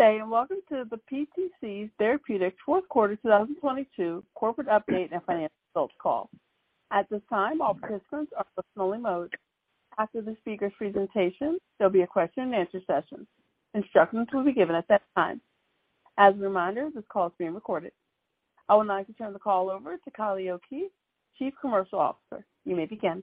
Good day. Welcome to the PTC Therapeutics Fourth Quarter 2022 Corporate Update and Financial Results Call. At this time, all participants are in listen-only mode. After the speaker's presentation, there'll be a question and answer session. Instructions will be given at that time. As a reminder, this call is being recorded. I would now like to turn the call over to Kylie O'Keefe, Chief Commercial Officer. You may begin.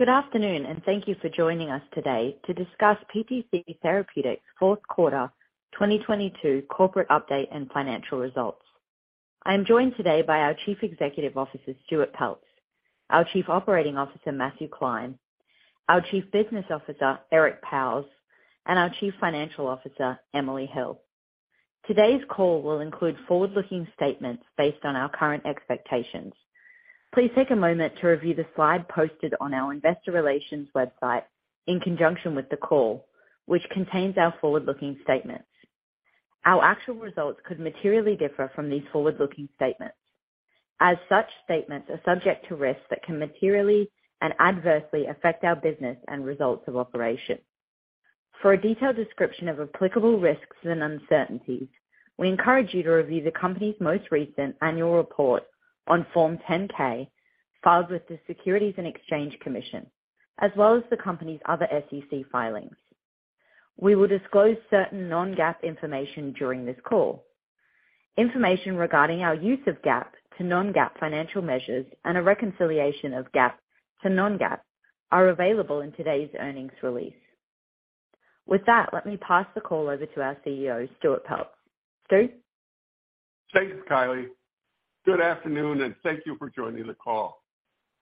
Good afternoon and thank you for joining us today to discuss PTC Therapeutics' fourth quarter 2022 corporate update and financial results. I am joined today by our Chief Executive Officer, Stuart Peltz, our Chief Operating Officer, Matthew Klein, our Chief Business Officer, Eric Pauwels, and our Chief Financial Officer, Emily Hill. Today's call will include forward-looking statements based on our current expectations. Please take a moment to review the slide posted on our investor relations website in conjunction with the call, which contains our forward-looking statements. Our actual results could materially differ from these forward-looking statements. As such statements are subject to risks that can materially and adversely affect our business and results of operation. For a detailed description of applicable risks and uncertainties, we encourage you to review the company's most recent annual report on Form 10-K filed with the Securities and Exchange Commission, as well as the company's other SEC filings. We will disclose certain non-GAAP information during this call. Information regarding our use of GAAP to non-GAAP financial measures and a reconciliation of GAAP to non-GAAP are available in today's earnings release. With that, let me pass the call over to our CEO, Stuart Peltz. Stu? Thanks, Kylie. Good afternoon, and thank you for joining the call.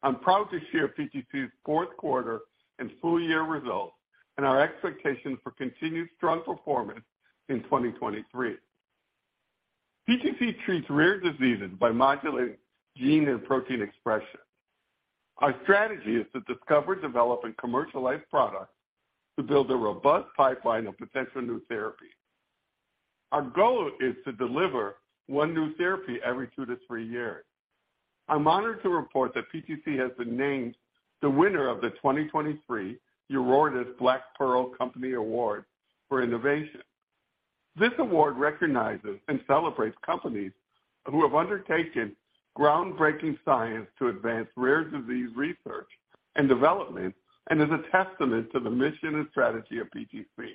I'm proud to share PTC's fourth quarter and full year results and our expectations for continued strong performance in 2023. PTC treats rare diseases by modulating gene and protein expression. Our strategy is to discover, develop, and commercialize products to build a robust pipeline of potential new therapies. Our goal is to deliver one new therapy every two to three years. I'm honored to report that PTC has been named the winner of the 2023 EURORDIS Black Pearl Company Award for Innovation. This award recognizes and celebrates companies who have undertaken groundbreaking science to advance rare disease research and development, and is a testament to the mission and strategy of PTC.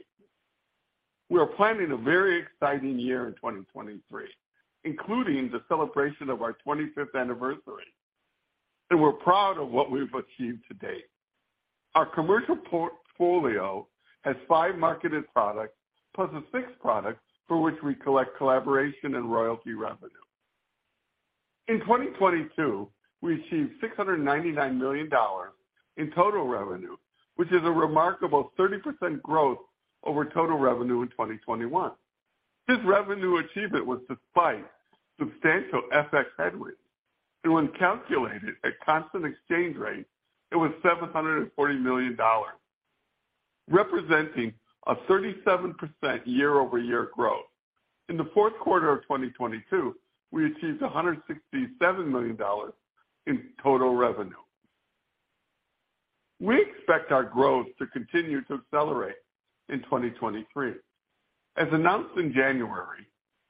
We are planning a very exciting year in 2023, including the celebration of our 25th anniversary, and we're proud of what we've achieved to date. Our commercial portfolio has five marketed products plus a six product for which we collect collaboration and royalty revenue. In 2022, we achieved $699 million in total revenue, which is a remarkable 30% growth over total revenue in 2021. This revenue achievement was despite substantial FX headwinds, and when calculated at constant exchange rate, it was $740 million, representing a 37% year-over-year growth. In the fourth quarter of 2022, we achieved $167 million in total revenue. We expect our growth to continue to accelerate in 2023. As announced in January,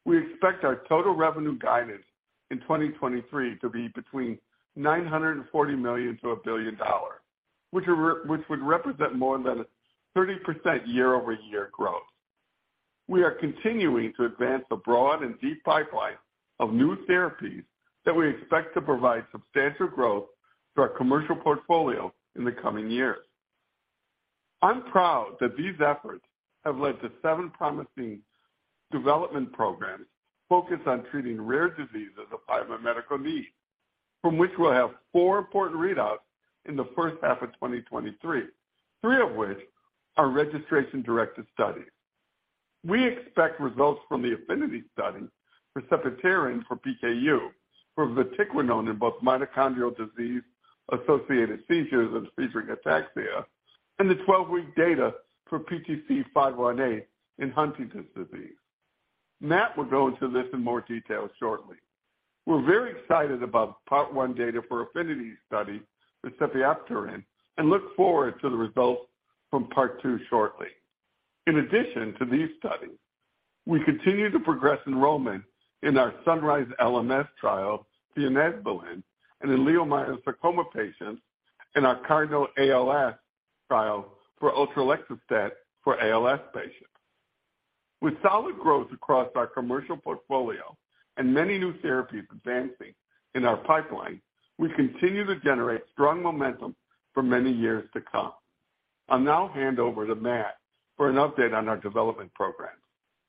we expect our total revenue guidance in 2023 to be between $940 million to 1 billion, which would represent more than a 30% year-over-year growth. We are continuing to advance a broad and deep pipeline of new therapies that we expect to provide substantial growth to our commercial portfolio in the coming years. I'm proud that these efforts have led to seven promising development programs focused on treating rare diseases of biomedical need, from which we'll have four important readouts in the first half of 2023, three of which are registration-directed studies. We expect results from the APHENITY study for sepiapterin for PKU, for vatiquinone in both mitochondrial disease-associated seizures and Friedreich's ataxia, and the 12-week data for PTC518 in Huntington's Disease. Matt will go into this in more detail shortly. We're very excited about part one data for APHENITY study with sepiapterin and look forward to the results from part two shortly. In addition to these studies, we continue to progress enrollment in our SUNRISE-LMS trial for unesbulin in leiomyosarcoma patients and our CardinALS trial for Utreloxastat for ALS patients. With solid growth across our commercial portfolio and many new therapies advancing in our pipeline, we continue to generate strong momentum for many years to come. I'll now hand over to Matt for an update on our development programs.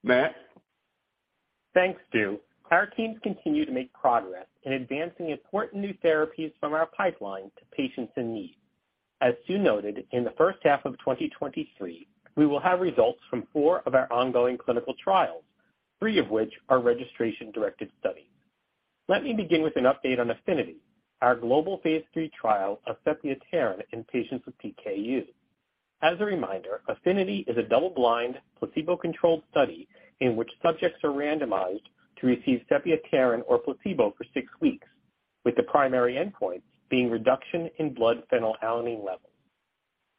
Matt? Thanks, Stu. Our teams continue to make progress in advancing important new therapies from our pipeline to patients in need. As Stu noted, in the first half of 2023, we will have results from four of our ongoing clinical trials, three of which are registration-directed studies. Let me begin with an update on APHENITY, our global phase III trial of sepiapterin in patients with PKU. As a reminder, APHENITY is a double-blind, placebo-controlled study in which subjects are randomized to receive sepiapterin or placebo for six weeks. With the primary endpoint being reduction in blood phenylalanine levels.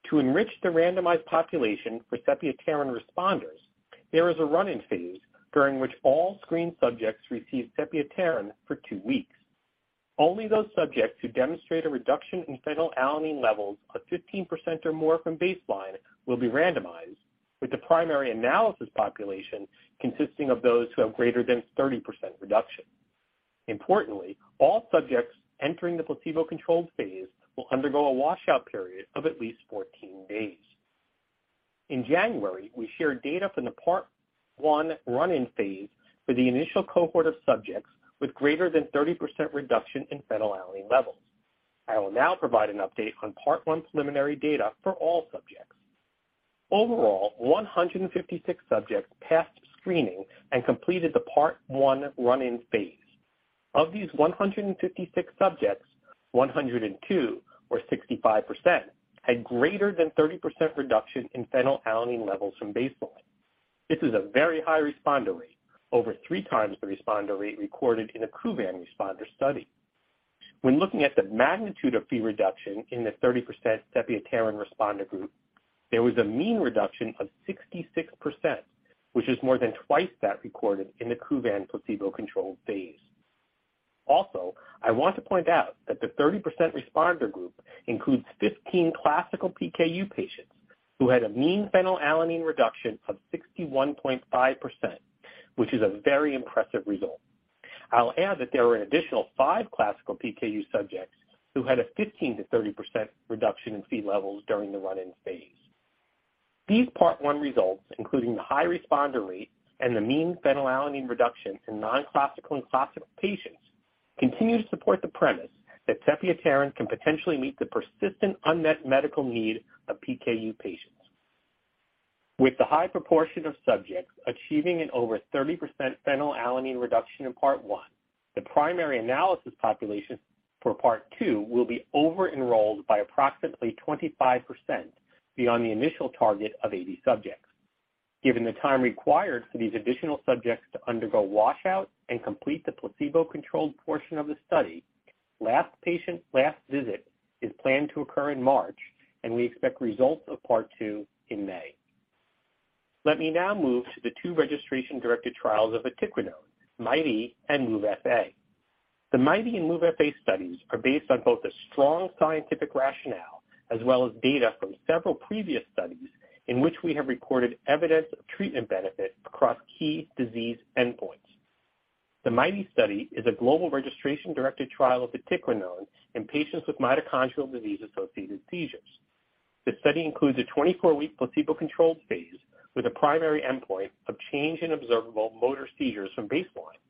To enrich the randomized population for sepiapterin responders, there is a run-in phase during which all screened subjects receive sepiapterin for two weeks. Only those subjects who demonstrate a reduction in phenylalanine levels of 15% or more from baseline will be randomized, with the primary analysis population consisting of those who have greater than 30% reduction. Importantly, all subjects entering the placebo-controlled phase will undergo a washout period of at least 14 days. In January, we shared data from the part one run-in phase for the initial cohort of subjects with greater than 30% reduction in phenylalanine levels. I will now provide an update on part one's preliminary data for all subjects. Overall, 156 subjects passed screening and completed the part one run-in phase. Of these 156 subjects, 102 or 65%, had greater than 30% reduction in phenylalanine levels from baseline. This is a very high responder rate, over three times the responder rate recorded in a Kuvan responder study. When looking at the magnitude of Phe reduction in the 30% sepiapterin responder group, there was a mean reduction of 66%, which is more than twice that recorded in the Kuvan placebo-controlled phase. I want to point out that the 30% responder group includes 15 classical PKU patients who had a mean phenylalanine reduction of 61.5%, which is a very impressive result. I'll add that there were an additional five classical PKU subjects who had a 15%-30% reduction in Phe levels during the run-in phase. These part one results, including the high responder rate and the mean phenylalanine reduction in non-classical and classical patients, continue to support the premise that sepiapterin can potentially meet the persistent unmet medical need of PKU patients. With the high proportion of subjects achieving an over 30% phenylalanine reduction in part one, the primary analysis population for part two will be over-enrolled by approximately 25% beyond the initial target of 80 subjects. Given the time required for these additional subjects to undergo washout and complete the placebo-controlled portion of the study, last patient last visit is planned to occur in March, and we expect results of part two in May. Let me now move to the two registration-directed trials of vatiquinone, MIT-E and MOVE-FA. The MIT-E and MOVE-FA studies are based on both a strong scientific rationale as well as data from several previous studies in which we have reported evidence of treatment benefit across key disease endpoints. The MIT-E study is a global registration-directed trial of vatiquinone in patients with Mitochondrial Disease Associated Seizures. The study includes a 24-week placebo-controlled phase with a primary endpoint of change in observable motor seizures from baseline.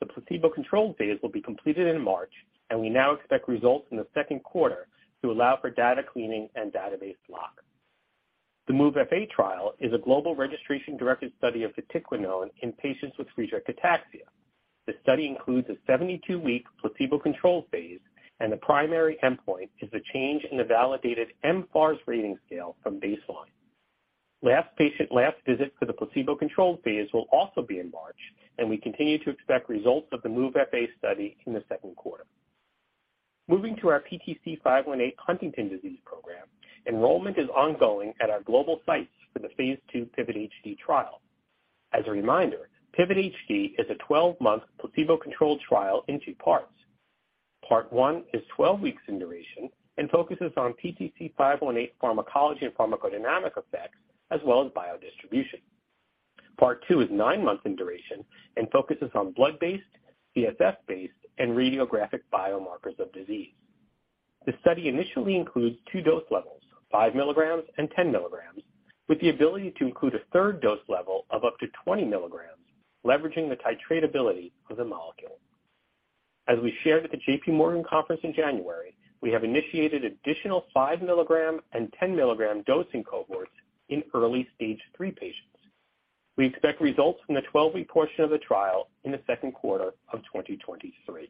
The placebo-controlled phase will be completed in March, and we now expect results in the second quarter to allow for data cleaning and database lock. The MOVE-FA trial is a global registration-directed study of vatiquinone in patients with Friedreich Ataxia. The study includes a 72-week placebo-controlled phase and the primary endpoint is the change in the validated mFARS rating scale from baseline. Last patient last visit for the placebo-controlled phase will also be in March, and we continue to expect results of the MOVE-FA study in the second quarter. Moving to our PTC518 Huntington's Disease program, enrollment is ongoing at our global sites for the phase II PIVOT-HD trial. As a reminder, PIVOT-HD is a 12-month placebo-controlled trial in two parts. Part one is 12 weeks in duration and focuses on PTC518 pharmacology and pharmacodynamic effects, as well as biodistribution. Part two is nine months in duration and focuses on blood-based, CSF-based, and radiographic biomarkers of disease. The study initially includes two dose levels, 5 mg and 10 mg, with the ability to include a third dose level of up to 20 mg, leveraging the titratability of the molecule. As we shared at the J.P. Morgan conference in January, we have initiated additional 5 mg and 10 mg dosing cohorts in early stage three patients. We expect results from the 12-week portion of the trial in the second quarter of 2023.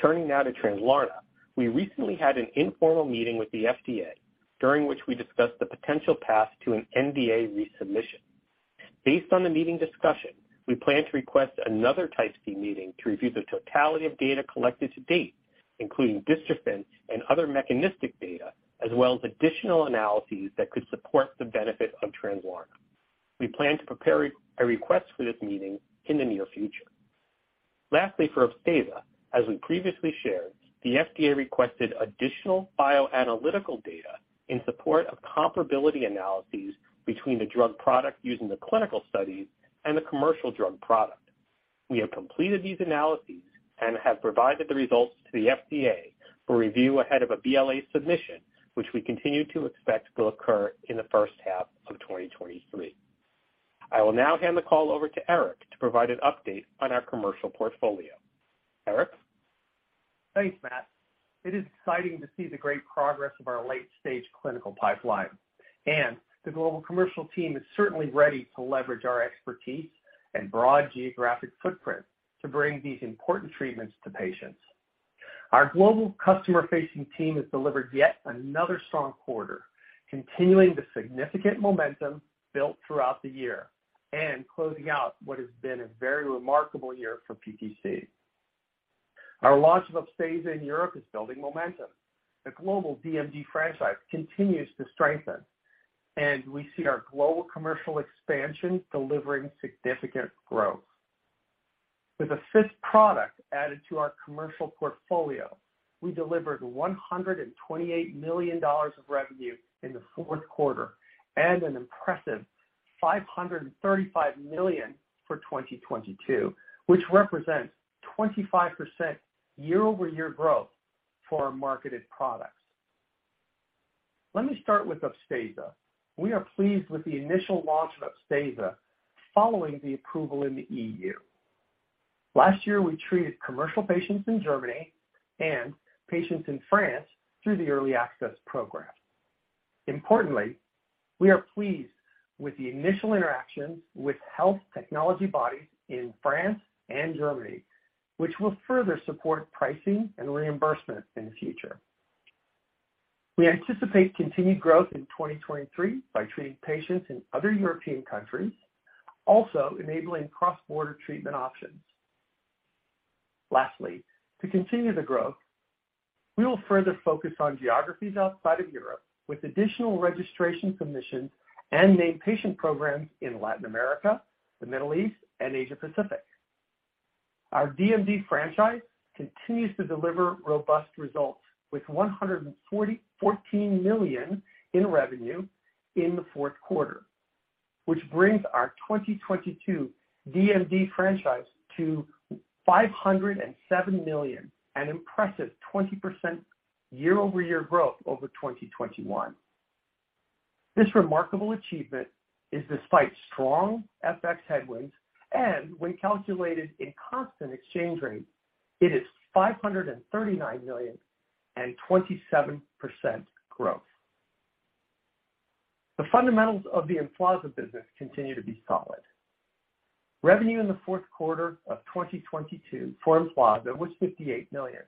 Turning now to Translarna. We recently had an informal meeting with the FDA, during which we discussed the potential path to an NDA resubmission. Based on the meeting discussion, we plan to request another Type C meeting to review the totality of data collected to date, including dystrophin and other mechanistic data, as well as additional analyses that could support the benefit of Translarna. We plan to prepare a request for this meeting in the near future. Lastly, for Upstaza, as we previously shared, the FDA requested additional bioanalytical data in support of comparability analyses between the drug product using the clinical studies and the commercial drug product. We have completed these analyses and have provided the results to the FDA for review ahead of a BLA submission, which we continue to expect will occur in the first half of 2023. I will now hand the call over to Eric to provide an update on our commercial portfolio. Eric? Thanks, Matt. It is exciting to see the great progress of our late-stage clinical pipeline. The global commercial team is certainly ready to leverage our expertise and broad geographic footprint to bring these important treatments to patients. Our global customer facing team has delivered yet another strong quarter, continuing the significant momentum built throughout the year and closing out what has been a very remarkable year for PTC. Our launch of Upstaza in Europe is building momentum. The global DMD franchise continues to strengthen, and we see our global commercial expansion delivering significant growth. With a fifth product added to our commercial portfolio, we delivered $128 million of revenue in the fourth quarter and an impressive $535 million for 2022, which represents 25% year-over-year growth for our marketed products. Let me start with Upstaza. We are pleased with the initial launch of Upstaza following the approval in the E.U. Last year, we treated commercial patients in Germany and patients in France through the early access program. Importantly, we are pleased with the initial interactions with health technology bodies in France and Germany, which will further support pricing and reimbursement in the future. We anticipate continued growth in 2023 by treating patients in other European countries, also enabling cross-border treatment options. Lastly, to continue the growth, we will further focus on geographies outside of Europe with additional registration submissions and named patient programs in Latin America, the Middle East, and Asia-Pacific. Our DMD franchise continues to deliver robust results with one hundred and forty-fourteen million in revenue in the fourth quarter, which brings our 2022 DMD franchise to $507 million, an impressive 20% year-over-year growth over 2021. This remarkable achievement is despite strong FX headwinds, and when calculated in constant exchange rate, it is $539 million and 27% growth. The fundamentals of the Emflaza business continue to be solid. Revenue in the fourth quarter of 2022 for Emflaza was $58 million.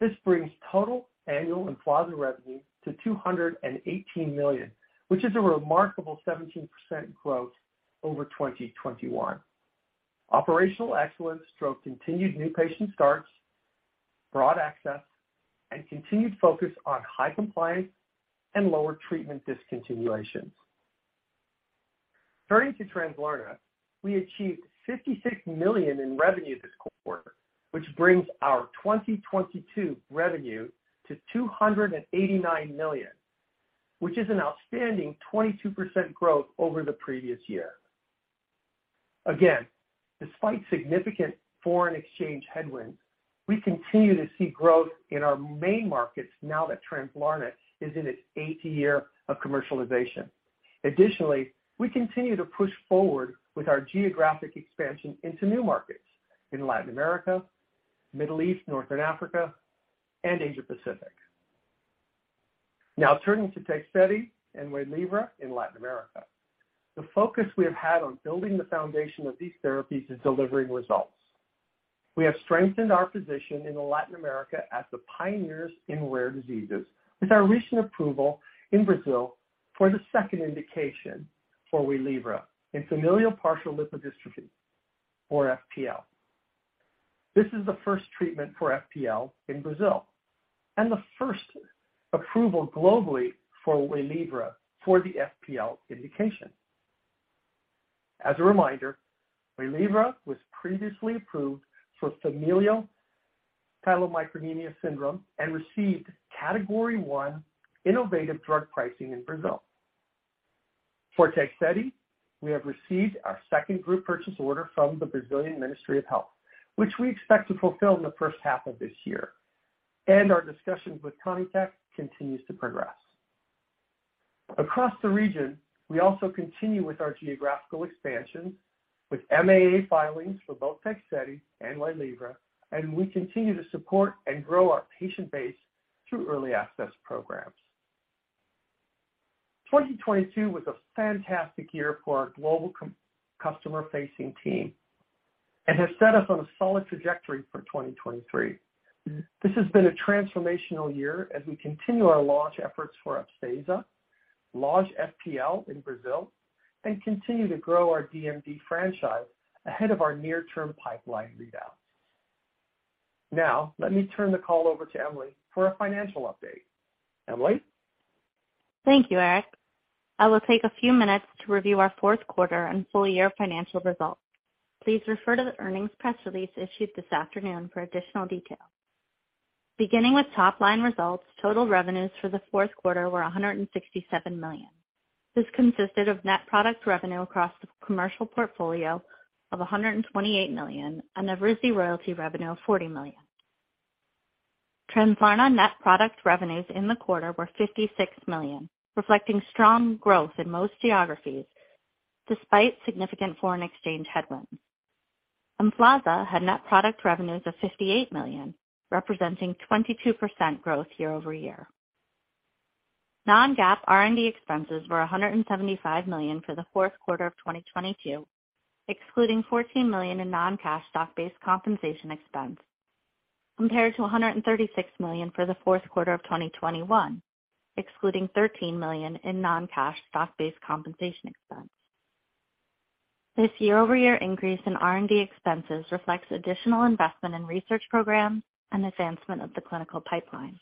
This brings total annual Emflaza revenue to $218 million, which is a remarkable 17% growth over 2021. Operational excellence drove continued new patient starts, broad access, and continued focus on high compliance and lower treatment discontinuations. Turning to Translarna, we achieved $56 million in revenue this quarter, which brings our 2022 revenue to $289 million, which is an outstanding 22% growth over the previous year. Again, despite significant foreign exchange headwinds, we continue to see growth in our main markets now that Translarna is in its eighth year of commercialization. Additionally, we continue to push forward with our geographic expansion into new markets in Latin America, Middle East, North Africa, and Asia-Pacific. Now turning to Tegsedia and Waylivra in Latin America. The focus we have had on building the foundation of these therapies is delivering results. We have strengthened our position in Latin America as the pioneers in rare diseases with our recent approval in Brazil for the second indication for Waylivra in familial partial lipodystrophy or FPL. This is the first treatment for FPL in Brazil and the first approval globally for Waylivra for the FPL indication. As a reminder, Waylivra was previously approved for Familial Chylomicronemia Syndrome and received Category I innovative drug pricing in Brazil. For Tekturna, we have received our second group purchase order from the Brazilian Ministry of Health, which we expect to fulfill in the first half of this year, and our discussions with CONITEC continues to progress. Across the region, we also continue with our geographical expansion with MAA filings for both Tekturna and Waylivra, and we continue to support and grow our patient base through early access programs. 2022 was a fantastic year for our global customer-facing team and has set us on a solid trajectory for 2023. This has been a transformational year as we continue our launch efforts for Upstaza, launch FPL in Brazil, and continue to grow our DMD franchise ahead of our near-term pipeline readouts. Now let me turn the call over to Emily for a financial update. Emily? Thank you, Eric. I will take a few minutes to review our fourth quarter and full-year financial results. Please refer to the earnings press release issued this afternoon for additional details. Beginning with top-line results, total revenues for the fourth quarter were $167 million. This consisted of net product revenue across the commercial portfolio of $128 million and Evrysdi royalty revenue of $40 million. Translarna net product revenues in the quarter were $56 million, reflecting strong growth in most geographies despite significant foreign exchange headwinds. Emflaza had net product revenues of $58 million, representing 22% growth year-over-year. Non-GAAP R&D expenses were $175 million for the fourth quarter of 2022, excluding $14 million in non-cash stock-based compensation expense, compared to $136 million for the fourth quarter of 2021, excluding $13 million in non-cash stock-based compensation expense. This year-over-year increase in R&D expenses reflects additional investment in research programs and advancement of the clinical pipeline.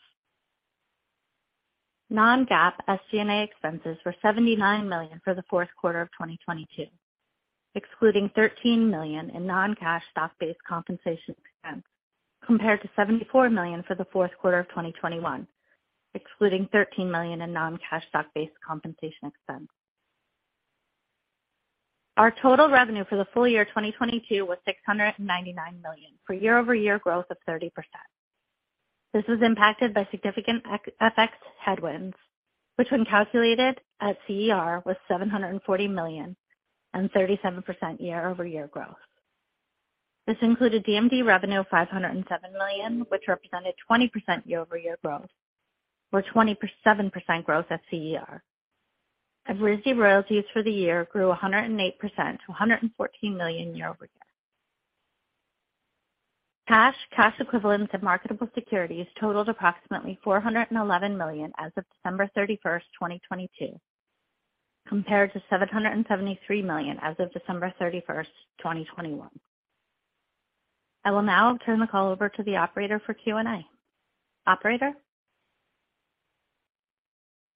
Non-GAAP SG&A expenses were $79 million for the fourth quarter of 2022, excluding $13 million in non-cash stock-based compensation expense, compared to $74 million for the fourth quarter of 2021, excluding $13 million in non-cash stock-based compensation expense. Our total revenue for the full year 2022 was $699 million for year-over-year growth of 30%. This was impacted by significant ex-FX headwinds, which when calculated at CER, was $740 million and 37% year-over-year growth. This included DMD revenue of $507 million, which represented 20% year-over-year growth, or 27% growth at CER. Evrysdi royalties for the year grew 108% to $114 million year-over-year. Cash, cash equivalents, and marketable securities totaled approximately $411 million as of December 31st, 2022, compared to $773 million as of December 31st, 2021. I will now turn the call over to the operator for Q&A. Operator?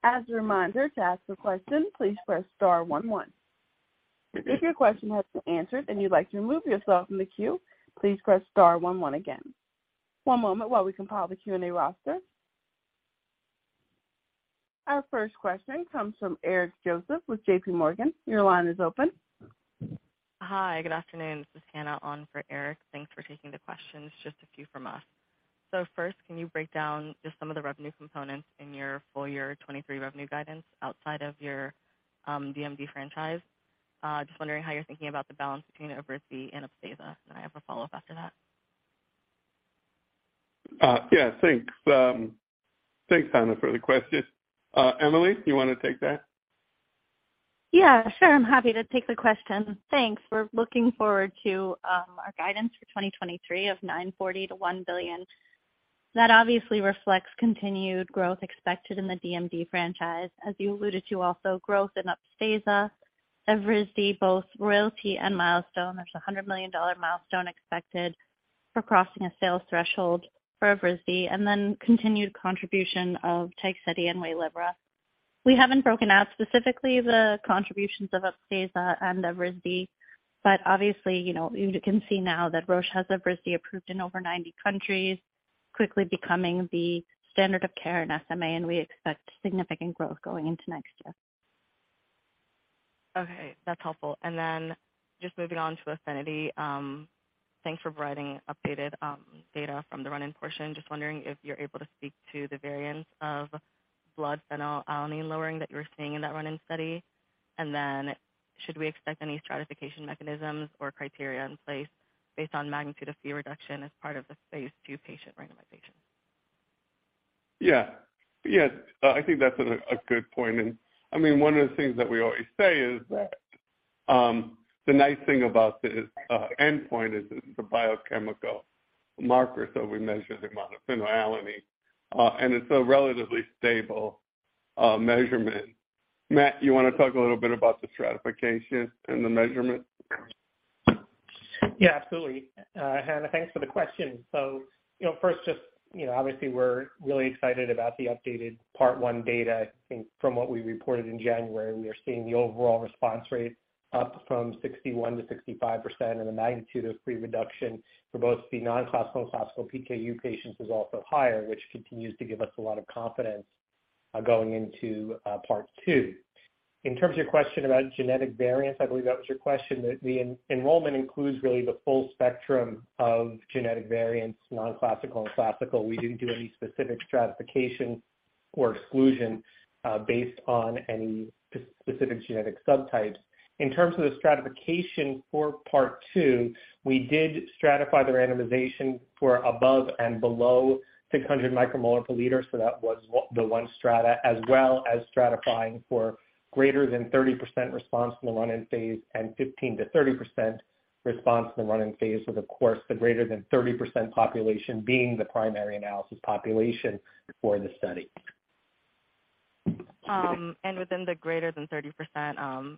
As a reminder, to ask a question, please press star one one. If your question has been answered and you'd like to remove yourself from the queue, please press star one one again. One moment while we compile the Q&A roster. Our first question comes from Eric Joseph with J.P. Morgan. Your line is open. Hi, good afternoon. This is Hannah on for Eric. Thanks for taking the questions. Just a few from us. First, can you break down just some of the revenue components in your full year 2023 revenue guidance outside of your DMD franchise? Just wondering how you're thinking about the balance between Evrysdi and Upstaza. I have a follow-up after that. Yeah. Thanks. Thanks, Hannah, for the questions. Emily, you wanna take that? Yeah, sure. I'm happy to take the question. Thanks. We're looking forward to our guidance for 2023 of $940 million-1 billion. That obviously reflects continued growth expected in the DMD franchise. As you alluded to, also growth in Upstaza, Evrysdi, both royalty and milestone. There's a $100 million milestone expected for crossing a sales threshold for Evrysdi, and then continued contribution of Tegsedi and Waylivra. We haven't broken out specifically the contributions of Upstaza and Evrysdi, but obviously, you know, you can see now that Roche has Evrysdi approved in over 90 countries, quickly becoming the standard of care in SMA, and we expect significant growth going into next year. Okay, that's helpful. Just moving on to APHENITY, thanks for providing updated data from the run-in portion. Just wondering if you're able to speak to the variance of blood phenylalanine lowering that you were seeing in that run-in study. Should we expect any stratification mechanisms or criteria in place based on magnitude of Phe reduction as part of the phase II patient randomization? Yeah. Yes, I think that's a good point. I mean, one of the things that we always say is that the nice thing about this endpoint is it's a biochemical marker, so we measure the amount of phenylalanine, and it's a relatively stable measurement. Matt, you wanna talk a little bit about the stratification and the measurement? Yeah, absolutely. Hannah, thanks for the question. You know, first just, you know, obviously we're really excited about the updated Part One data. I think from what we reported in January, we are seeing the overall response rate up from 61 to 65% and the magnitude of free reduction for both the non-classical and classical PKU patients is also higher, which continues to give us a lot of confidence going into Part Two. In terms of your question about genetic variants, I believe that was your question. The enrollment includes really the full spectrum of genetic variants, non-classical and classical. We didn't do any specific stratification or exclusion based on any specific genetic subtypes. In terms of the stratification for Part Two, we did stratify the randomization for above and below 600 micromole per liter. That was the one strata, as well as stratifying for greater than 30% response in the run-in phase and 15%-30% response in the run-in phase. Of course, the greater than 30% population being the primary analysis population for the study. Within the greater than 30%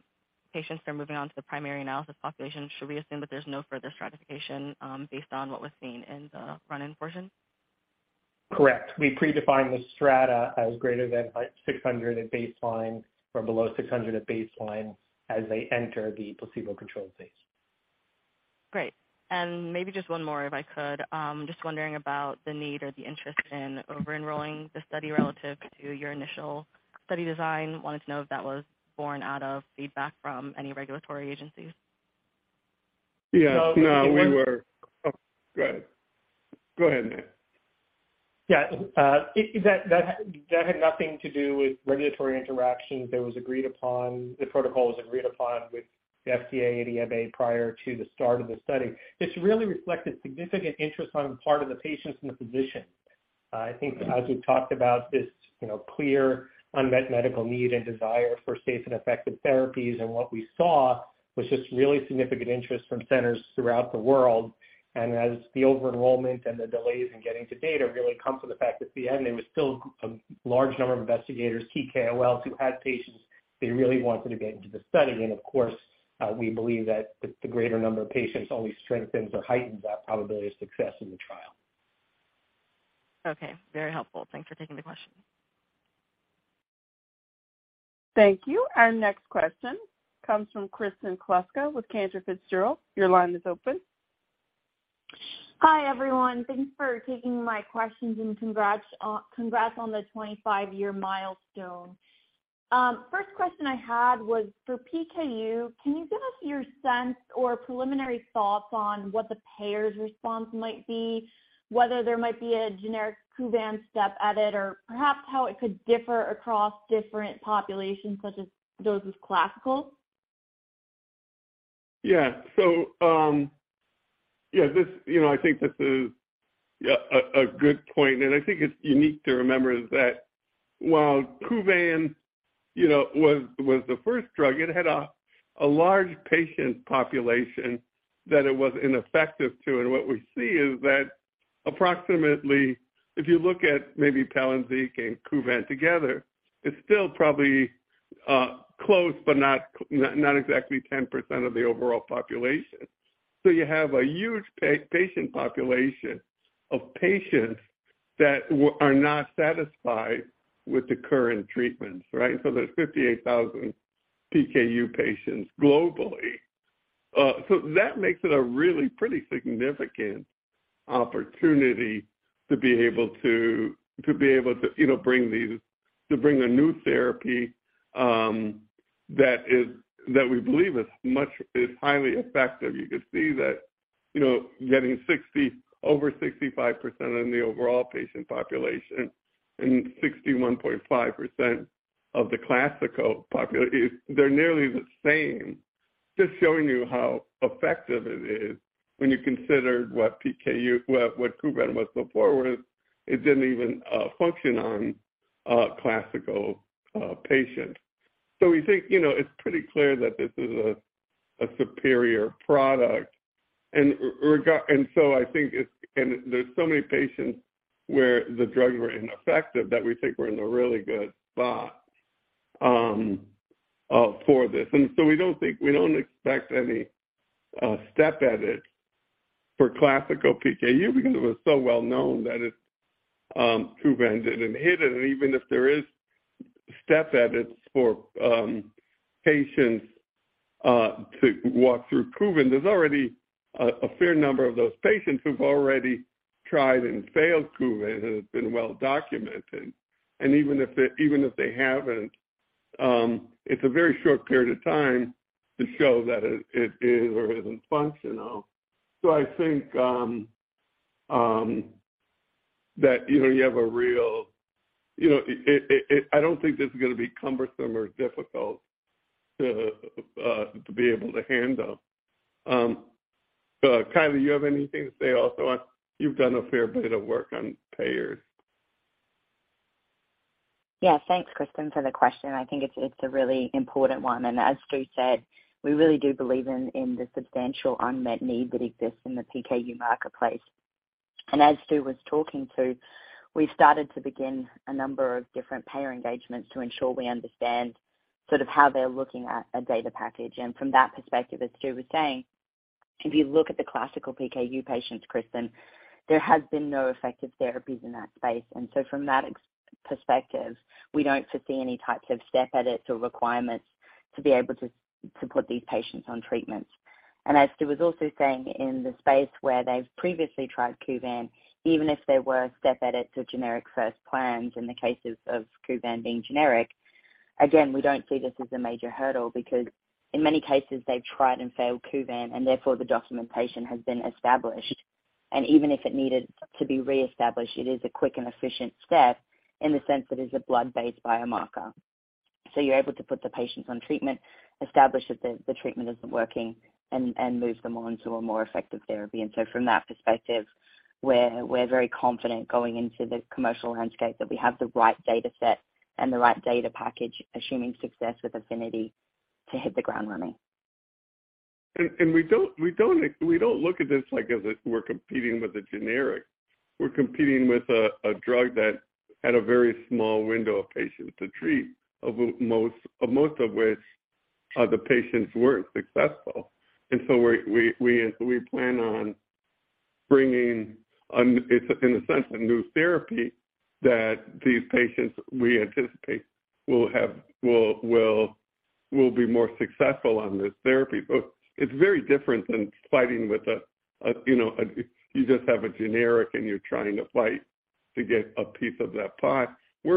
patients who are moving on to the primary analysis population, should we assume that there's no further stratification based on what was seen in the run-in portion? Correct. We predefined the strata as greater than 600 at baseline from below 600 at baseline as they enter the placebo-controlled phase. Great. Maybe just one more, if I could. Just wondering about the need or the interest in over-enrolling the study relative to your initial study design? Wanted to know if that was born out of feedback from any regulatory agencies? Yes. No. So it was- Oh, go ahead. Go ahead, Matt. Yeah. That had nothing to do with regulatory interactions. It was agreed upon. The protocol was agreed upon with the FDA and EMA prior to the start of the study. This really reflected significant interest on the part of the patients and the physicians. I think as we've talked about this, you know, clear unmet medical need and desire for safe and effective therapies, and what we saw was just really significant interest from centers throughout the world. As the over-enrollment and the delays in getting to data really come from the fact that at the end, there was still a large number of investigators, PKOLs, who had patients they really wanted to get into the study. Of course, we believe that the greater number of patients only strengthens or heightens that probability of success in the trial. Okay, very helpful. Thanks for taking the question. Thank you. Our next question comes from Kristen Kluska with Cantor Fitzgerald. Your line is open. Hi, everyone. Thanks for taking my questions, and congrats on the 25-year milestone. First question I had was for PKU, can you give us your sense or preliminary thoughts on what the payer's response might be, whether there might be a generic Kuvan step edit or perhaps how it could differ across different populations such as those with classical? This, you know, I think this is a good point, and I think it's unique to remember is that while Kuvan, you know, was the first drug, it had a large patient population that it was ineffective to. What we see is that approximately, if you look at maybe Palynziq and Kuvan together, it's still probably close, but not exactly 10% of the overall population. You have a huge patient population of patients that are not satisfied with the current treatments, right? There's 58,000 PKU patients globally. That makes it a really pretty significant opportunity to be able to, you know, bring these, to bring a new therapy, that we believe is highly effective. You could see that, you know, getting 60%, over 65% in the overall patient population and 61.5% of the classical population, they're nearly the same, just showing you how effective it is when you consider what PKU, what Kuvan was before was it didn't even function on classical patient. We think, you know, it's pretty clear that this is a superior product and there's so many patients where the drugs were ineffective that we think we're in a really good spot for this. We don't think, we don't expect any step edit for classical PKU because it was so well known that it, Kuvan didn't hit it. Even if there is step edits for patients to walk through Kuvan, there's already a fair number of those patients who've already tried and failed Kuvan, and it's been well documented. Even if they, even if they haven't, it's a very short period of time to show that it is or isn't functional. I think that, you know, you have a real, you know, it I don't think this is gonna be cumbersome or difficult to be able to handle. Kylie, you have anything to say also on... You've done a fair bit of work on payers. Yeah. Thanks, Kristen, for the question. I think it's a really important one. As Stu said, we really do believe in the substantial unmet need that exists in the PKU marketplace. As Stu was talking to, we've started to begin a number of different payer engagements to ensure we understand sort of how they're looking at a data package. From that perspective, as Stu was saying, if you look at the classical PKU patients, Kristen, there has been no effective therapies in that space. From that perspective, we don't foresee any types of step edits or requirements to be able to put these patients on treatments. As Stu was also saying, in the space where they've previously tried Kuvan, even if there were step edits or generic first plans in the cases of Kuvan being generic, again, we don't see this as a major hurdle because in many cases, they've tried and failed Kuvan, and therefore the documentation has been established. Even if it needed to be reestablished, it is a quick and efficient step in the sense that it's a blood-based biomarker. You're able to put the patients on treatment, establish that the treatment isn't working and move them on to a more effective therapy. From that perspective, we're very confident going into the commercial landscape that we have the right data set and the right data package, assuming success with APHENITY to hit the ground running. We don't look at this like as if we're competing with a generic. We're competing with a drug that had a very small window of patients to treat, of most of which, the patients weren't successful. We plan on bringing it's in a sense, a new therapy that these patients, we anticipate will have, will be more successful on this therapy. It's very different than fighting with a, you know, You just have a generic, and you're trying to fight to get a piece of that pie. We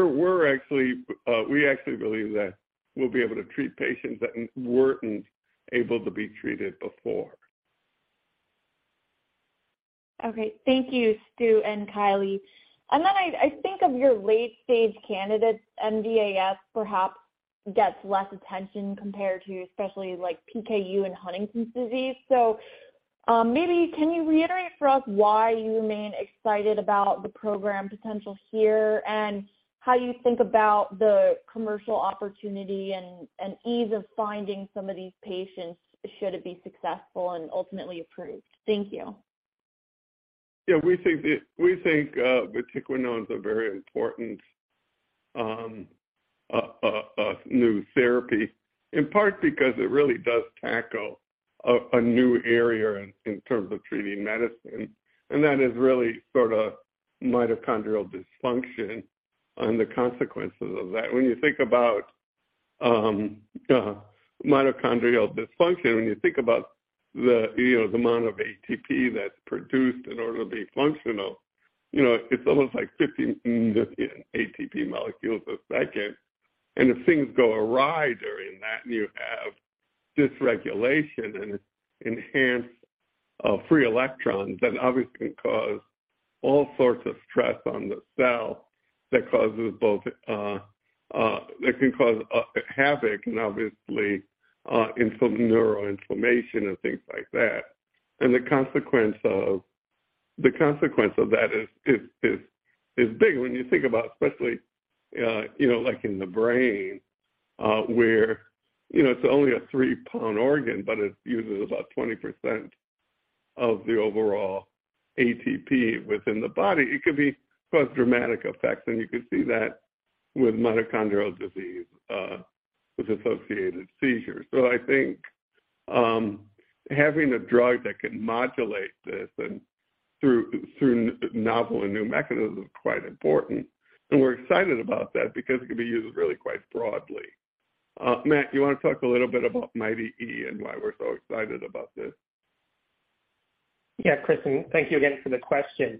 actually believe that we'll be able to treat patients that weren't able to be treated before. Okay. Thank you, Stu and Kylie. I think of your late-stage candidates, MDAS perhaps gets less attention compared to especially like PKU and Huntington's Disease. Maybe can you reiterate for us why you remain excited about the program potential here? How you think about the commercial opportunity and ease of finding some of these patients should it be successful and ultimately approved? Thank you. Yeah, we think vatiquinone is a very important new therapy, in part because it really does tackle a new area in terms of treating medicine, that is really sort of mitochondrial dysfunction and the consequences of that. When you think about mitochondrial dysfunction, when you think about the, you know, the amount of ATP that's produced in order to be functional, you know, it's almost like 50 ATP molecules a second. If things go awry during that, and you have dysregulation and enhanced free electrons, that obviously can cause all sorts of stress on the cell. That can cause havoc and obviously neuroinflammation and things like that. The consequence of that is big. When you think about especially, you know, like in the brain, where, you know, it's only a three-pound organ, but it uses about 20% of the overall ATP within the body. It could cause dramatic effects, and you can see that with mitochondrial disease, with associated seizures. I think, having a drug that can modulate this and through novel and new mechanisms is quite important. We're excited about that because it could be used really quite broadly. Matt, you wanna talk a little bit about MIT-E and why we're so excited about this? Yeah, Kristen, thank you again for the question.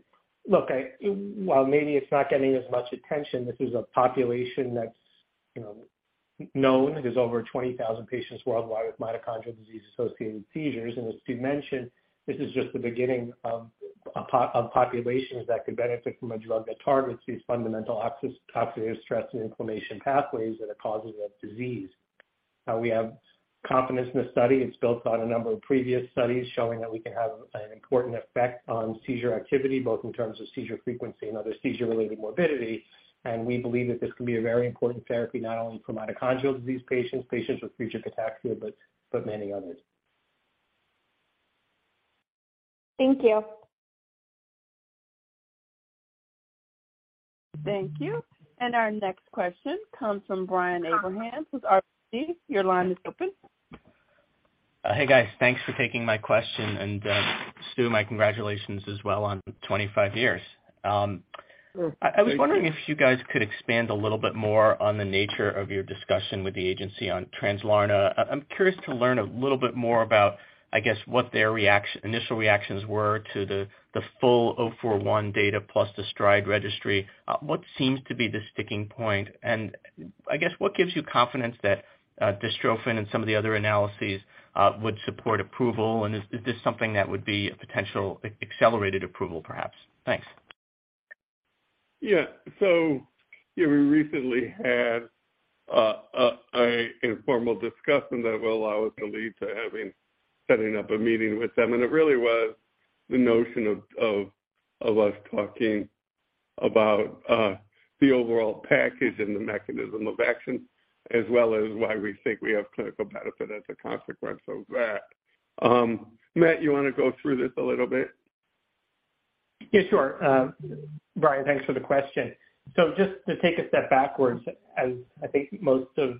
Look, while maybe it's not getting as much attention, this is a population that's, you know, known. There's over 20,000 patients worldwide with Mitochondrial Disease Associated Seizures. As Stu mentioned, this is just the beginning of populations that could benefit from a drug that targets these fundamental oxidative stress and inflammation pathways that are causes of disease. We have confidence in the study. It's built on a number of previous studies showing that we can have an important effect on seizure activity, both in terms of seizure frequency and other seizure-related morbidity. We believe that this can be a very important therapy, not only for mitochondrial disease patients with Fragile X, but many others. Thank you. Thank you. Our next question comes from Brian Abrahams with RBC. Your line is open. Hey, guys. Thanks for taking my question. Stu, my congratulations as well on 25 years. Thank you. I was wondering if you guys could expand a little bit more on the nature of your discussion with the agency on Translarna? I'm curious to learn a little bit more about, I guess, what their initial reactions were to the full 041 data plus the STRIDE registry? What seems to be the sticking point? I guess what gives you confidence that dystrophin and some of the other analyses would support approval? Is this something that would be a potential accelerated approval, perhaps? Thanks. Yeah. yeah, we recently had a informal discussion that will allow us to lead to setting up a meeting with them. It really was the notion of us talking about the overall package and the mechanism of action, as well as why we think we have clinical benefit as a consequence of that. Matt, you wanna go through this a little bit? Yeah, sure. Brian Abrahams, thanks for the question. Just to take a step backwards, as I think most of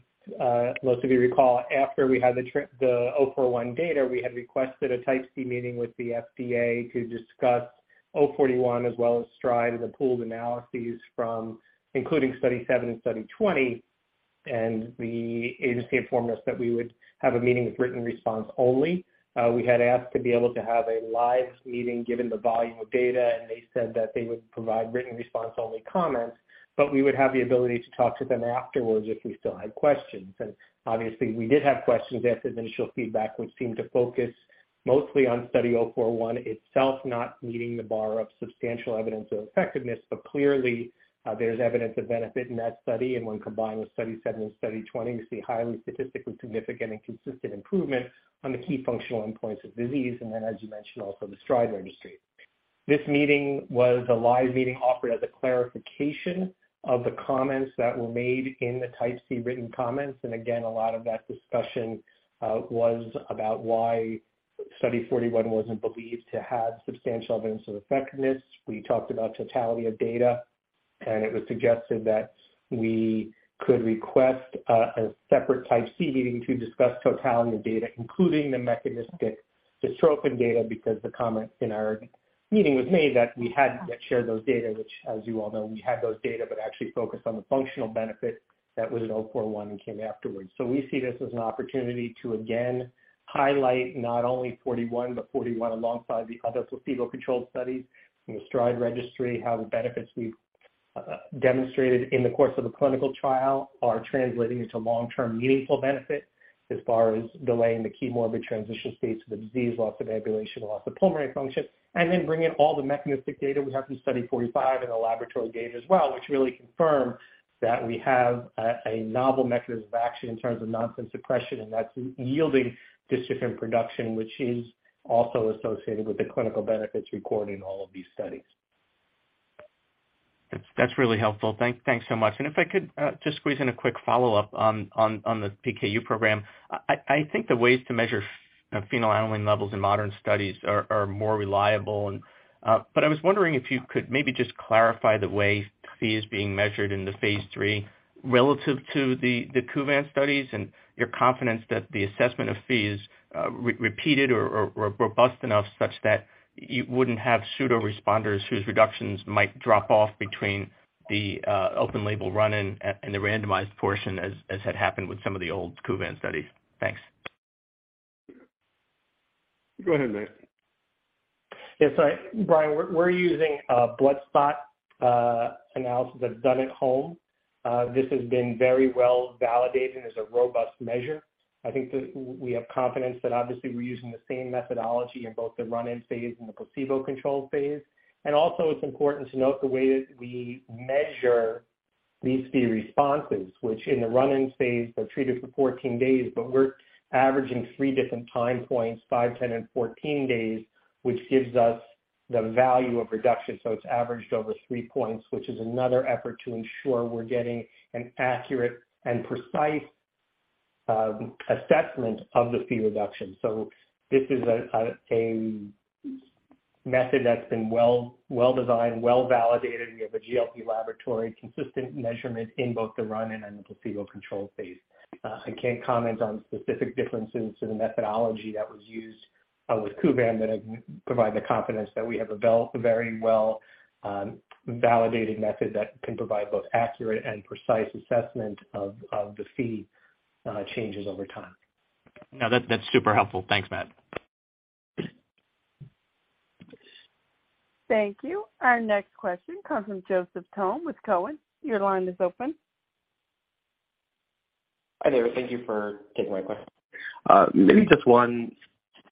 you recall, after we had the 041 data, we had requested a Type C meeting with the FDA to discuss 041 as well as STRIDE and the pooled analyses from including Study 007 and Study 020. The agency informed us that we would have a meeting with written response only. We had asked to be able to have a live meeting given the volume of data, and they said that they would provide written response only comments, but we would have the ability to talk to them afterwards if we still had questions. Obviously, we did have questions after the initial feedback, which seemed to focus mostly on Study 041 itself not meeting the bar of substantial evidence of effectiveness. Clearly, there's evidence of benefit in that study and when combined with Study 007 and Study 020 to see highly statistically significant and consistent improvement on the key functional endpoints of disease and then as you mentioned, also the STRIDE registry. This meeting was a live meeting offered as a clarification of the comments that were made in the Type C written comments. Again, a lot of that discussion was about why Study 41 wasn't believed to have substantial evidence of effectiveness. We talked about totality of data. It was suggested that we could request a separate Type C meeting to discuss totality of data, including the mechanistic dystrophin data because the comments in our meeting was made that we hadn't yet shared those data which as you all know we had those data but actually focused on the functional benefit that was in 041 and came afterwards. We see this as an opportunity to again highlight not only 41 but 41 alongside the other placebo-controlled studies from the STRIDE registry, how the benefits we've demonstrated in the course of a clinical trial are translating into long-term meaningful benefit as far as delaying the key morbid transition states of the disease, loss of ambulation or loss of pulmonary function. Bring in all the mechanistic data we have from Study 045 and the laboratory data as well, which really confirms that we have a novel mechanism of action in terms of nonsense suppression, and that's yielding dystrophin production which is also associated with the clinical benefits recorded in all of these studies. That's really helpful. Thanks so much. If I could just squeeze in a quick follow-up on the PKU program. I think the ways to measure phenylalanine levels in modern studies are more reliable. I was wondering if you could maybe just clarify the way Phe is being measured in the phase III relative to the Kuvan studies, and your confidence that the assessment of Phe is repeated or robust enough such that you wouldn't have pseudo responders whose reductions might drop off between the open label run-in and the randomized portion as had happened with some of the old Kuvan studies? Thanks. Go ahead, Matt. Yes, sorry. Brian, we're using a blood spot analysis that's done at home. This has been very well validated as a robust measure. I think that we have confidence that obviously we're using the same methodology in both the run-in phase and the placebo-controlled phase. It's important to note the way that we measure these Phe responses, which in the run-in phase are treated for 14 days, but we're averaging three different time points, five, 10, and 14 days, which gives us the value of reduction. It's averaged over three points, which is another effort to ensure we're getting an accurate and precise assessment of the Phe reduction. This is a method that's been well designed, well validated. We have a GLP laboratory consistent measurement in both the run-in and the placebo-controlled phase. I can't comment on specific differences to the methodology that was used, with Kuvan, but I can provide the confidence that we have a very well, validating method that can provide both accurate and precise assessment of the Phe, changes over time. No, that's super helpful. Thanks, Matt. Thank you. Our next question comes from Joseph Thome with Cowen. Your line is open. Hi there. Thank you for taking my question. Maybe just one.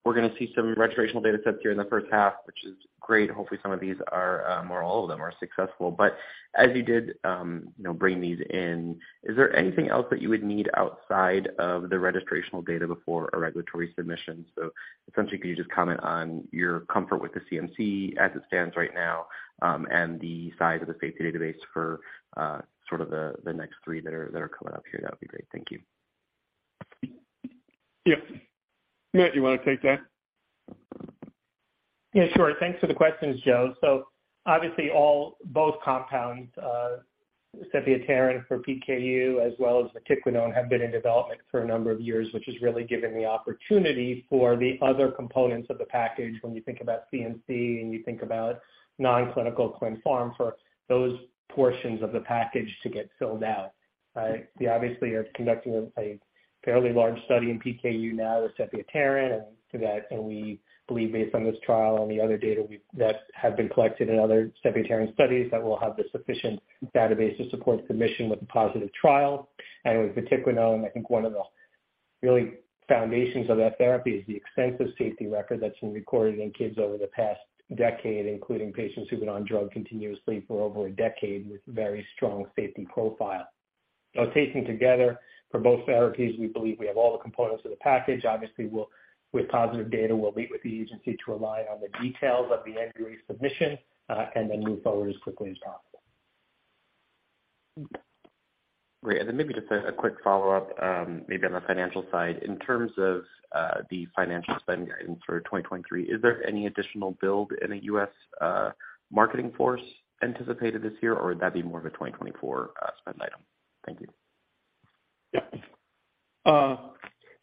We're gonna see some registrational data sets here in the first half, which is great. Hopefully, some of these are, or all of them are successful. As you did, you know, bring these in, is there anything else that you would need outside of the registrational data before a regulatory submission? Essentially, can you just comment on your comfort with the CMC as it stands right now, and the size of the safety database for, sort of the next three that are coming up here? That would be great. Thank you. Yeah. Matt, you wanna take that? Yeah, sure. Thanks for the questions, Joe. Obviously both compounds, sepiapterin for PKU as well as vatiquinone have been in development for a number of years, which has really given the opportunity for the other components of the package when you think about CMC and you think about non-clinical clin pharm for those portions of the package to get filled out, right? We obviously are conducting a fairly large study in PKU now with sepiapterin, and we believe based on this trial and the other data that have been collected in other sepiapterin studies that we'll have the sufficient database to support submission with a positive trial. With vatiquinone, I think one of the really foundations of that therapy is the extensive safety record that's been recorded in kids over the past decade, including patients who've been on drug continuously for over a decade with very strong safety profile. Taken together for both therapies, we believe we have all the components of the package. Obviously, with positive data, we'll meet with the agency to align on the details of the NDA submission, and then move forward as quickly as possible. Great. Maybe just a quick follow-up, maybe on the financial side. In terms of the financial spend guidance for 2023, is there any additional build in the U.S. marketing force anticipated this year, or would that be more of a 2024 spend item? Thank you. Yeah,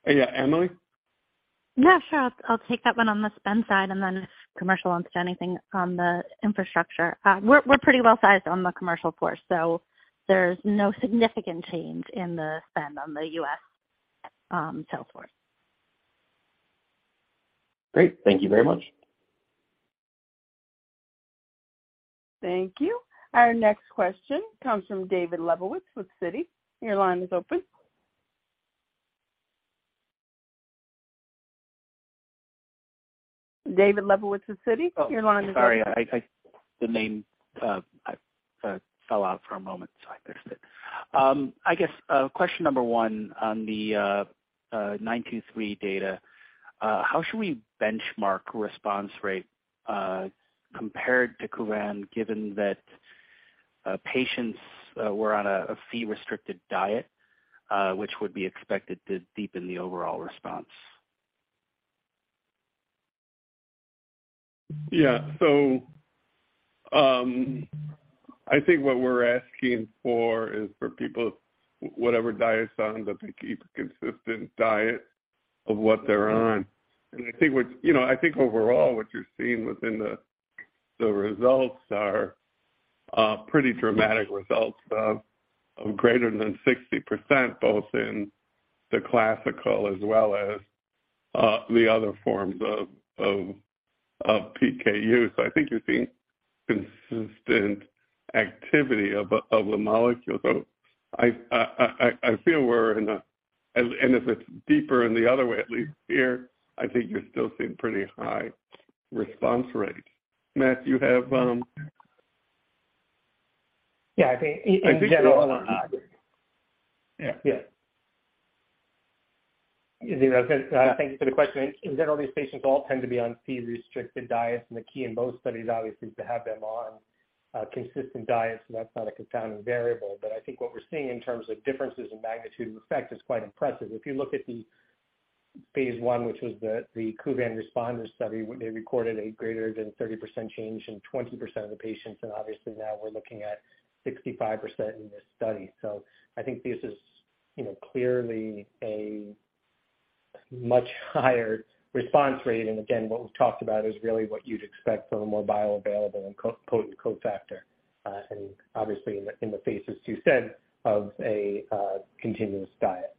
yeah, Emily? Yeah, sure. I'll take that one on the spend side and then if commercial wants to add anything on the infrastructure. We're pretty well sized on the commercial force, so there's no significant change in the spend on the U.S. sales force. Great. Thank you very much. Thank you. Our next question comes from David Lebowitz with Citi. Your line is open. David Lebowitz with Citi, your line is open. Sorry, I. The name fell out for a moment, so I missed it. I guess, question number one on the PTC923 data, how should we benchmark response rate compared to Kuvan, given that patients were on a Phe-restricted diet, which would be expected to deepen the overall response? Yeah. I think what we're asking for is for people, whatever diet's on, that they keep a consistent diet of what they're on. You know, I think overall what you're seeing within the results are pretty dramatic results of greater than 60%, both in the classical as well as the other forms of PKU. I think you're seeing consistent activity of the molecule. I feel we're in a... If it's deeper in the other way, at least here, I think you're still seeing pretty high response rate. Matt, you have? Yeah. I think in general. I think you all are. Yeah. You know, thank you for the question. In general, these patients all tend to be on feed restricted diets, and the key in both studies obviously is to have them on consistent diets that's not a confounding variable. I think what we're seeing in terms of differences in magnitude and effect is quite impressive. If you look at the phase I, which was the Kuvan responder study, where they recorded a greater than 30% change in 20% of the patients, obviously now we're looking at 65% in this study. I think this is, you know, clearly a much higher response rate. Again, what we've talked about is really what you'd expect from a more bioavailable and co-potent cofactor, and obviously in the, in the face, as you said, of a continuous diet.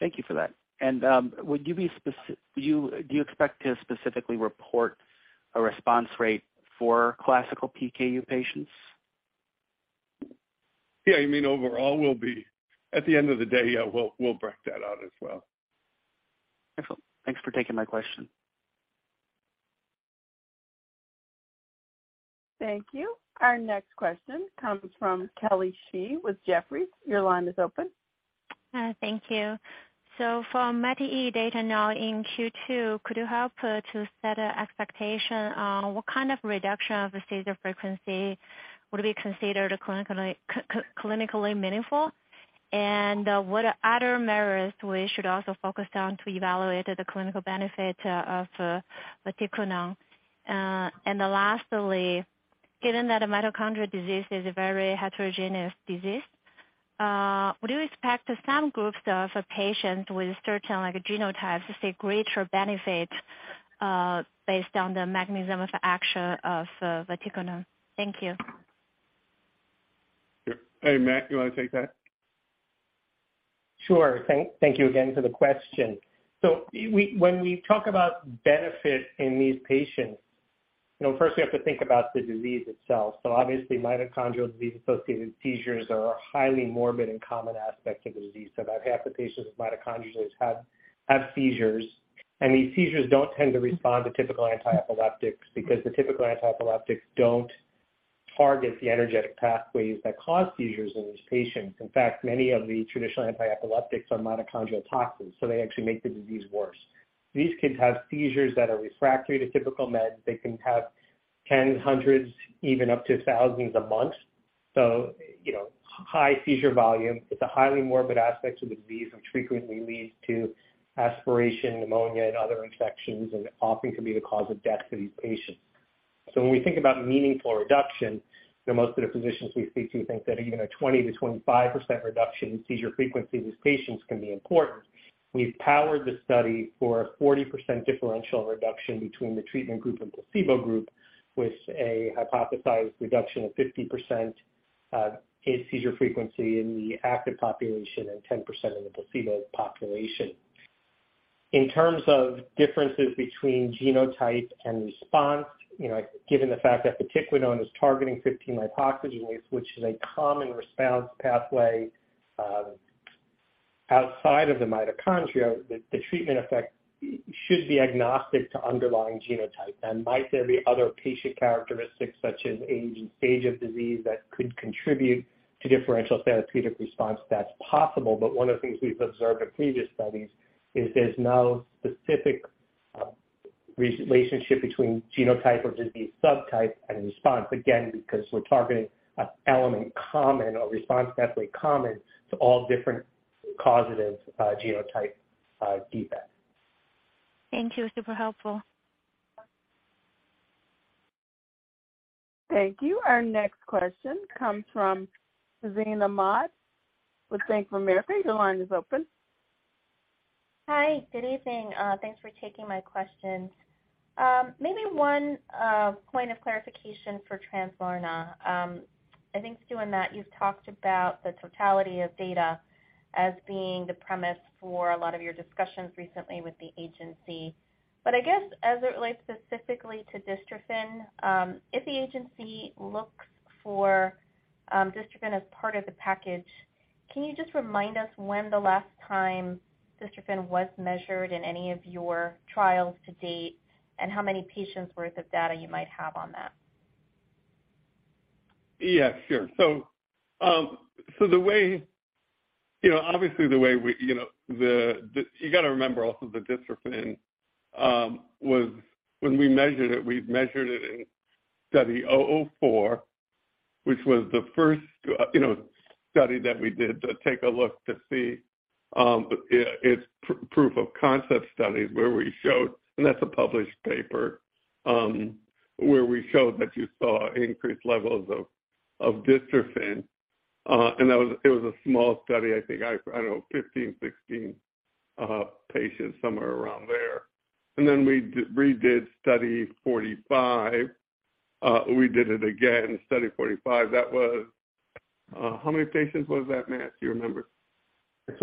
Thank you for that. Do you expect to specifically report a response rate for classical PKU patients? Yeah, you mean overall? At the end of the day, yeah, we'll break that out as well. Excellent. Thanks for taking my question. Thank you. Our next question comes from Kelly Shi with Jefferies. Your line is open. Thank you. So for MIT-E data now in Q2, could you help to set an expectation on what kind of reduction of the seizure frequency would be considered clinically meaningful? What other measures we should also focus on to evaluate the clinical benefit of vatiquinone. Lastly, given that a mitochondrial disease is a very heterogeneous disease, would you expect some groups of patients with certain like genotypes to see greater benefit, based on the mechanism of action of vatiquinone? Thank you. Sure. Hey, Matt, do you wanna take that? Sure. Thank you again for the question. When we talk about benefit in these patients, you know, first we have to think about the disease itself. Obviously, mitochondrial disease-associated seizures are a highly morbid and common aspect of the disease. About half the patients with mitochondrioses have seizures, these seizures don't tend to respond to typical antiepileptics because the typical antiepileptics don't target the energetic pathways that cause seizures in these patients. In fact, many of the traditional antiepileptics are mitochondrial toxins, they actually make the disease worse. These kids have seizures that are refractory to typical meds. They can have tens, hundreds, even up to thousands a month. You know, high seizure volume. It's a highly morbid aspect of the disease, which frequently leads to aspiration pneumonia and other infections and often can be the cause of death for these patients. When we think about meaningful reduction, you know, most of the physicians we speak to think that even a 20%-25% reduction in seizure frequency in these patients can be important. We've powered the study for a 40% differential reduction between the treatment group and placebo group with a hypothesized reduction of 50% in seizure frequency in the active population and 10% in the placebo population. In terms of differences between genotype and response, you know, given the fact that vatiquinone is targeting 15-lipoxygenase, which is a common response pathway, outside of the mitochondria, the treatment effect should be agnostic to underlying genotype. And might there be other patient characteristics such as age and stage of disease that could contribute to differential therapeutic response? That's possible. One of the things we've observed in previous studies is there's no specific relationship between genotype or disease subtype and response. Again, because we're targeting an element common or response pathway common to all different causative genotype defects. Thank you. Super helpful. Thank you. Our next question comes from Tazeen Ahmad with Bank of America. Your line is open. Hi, good evening. Thanks for taking my question. Maybe one point of clarification for Translarna. I think, Stu and Matt, you've talked about the totality of data as being the premise for a lot of your discussions recently with the agency. I guess as it relates specifically to dystrophin, if the agency looks for dystrophin as part of the package, can you just remind us when the last time dystrophin was measured in any of your trials to date and how many patients worth of data you might have on that? Yeah, sure. You gotta remember also the dystrophin was when we measured it, we measured it in Study 004, which was the first, you know, study that we did to take a look to see its proof of concept studies where we showed. That's a published paper, where we showed that you saw increased levels of dystrophin. It was a small study, I think. I don't know, 15, 16 patients, somewhere around there. We did Study 045. We did it again, Study 045. That was, how many patients was that, Matt? Do you remember?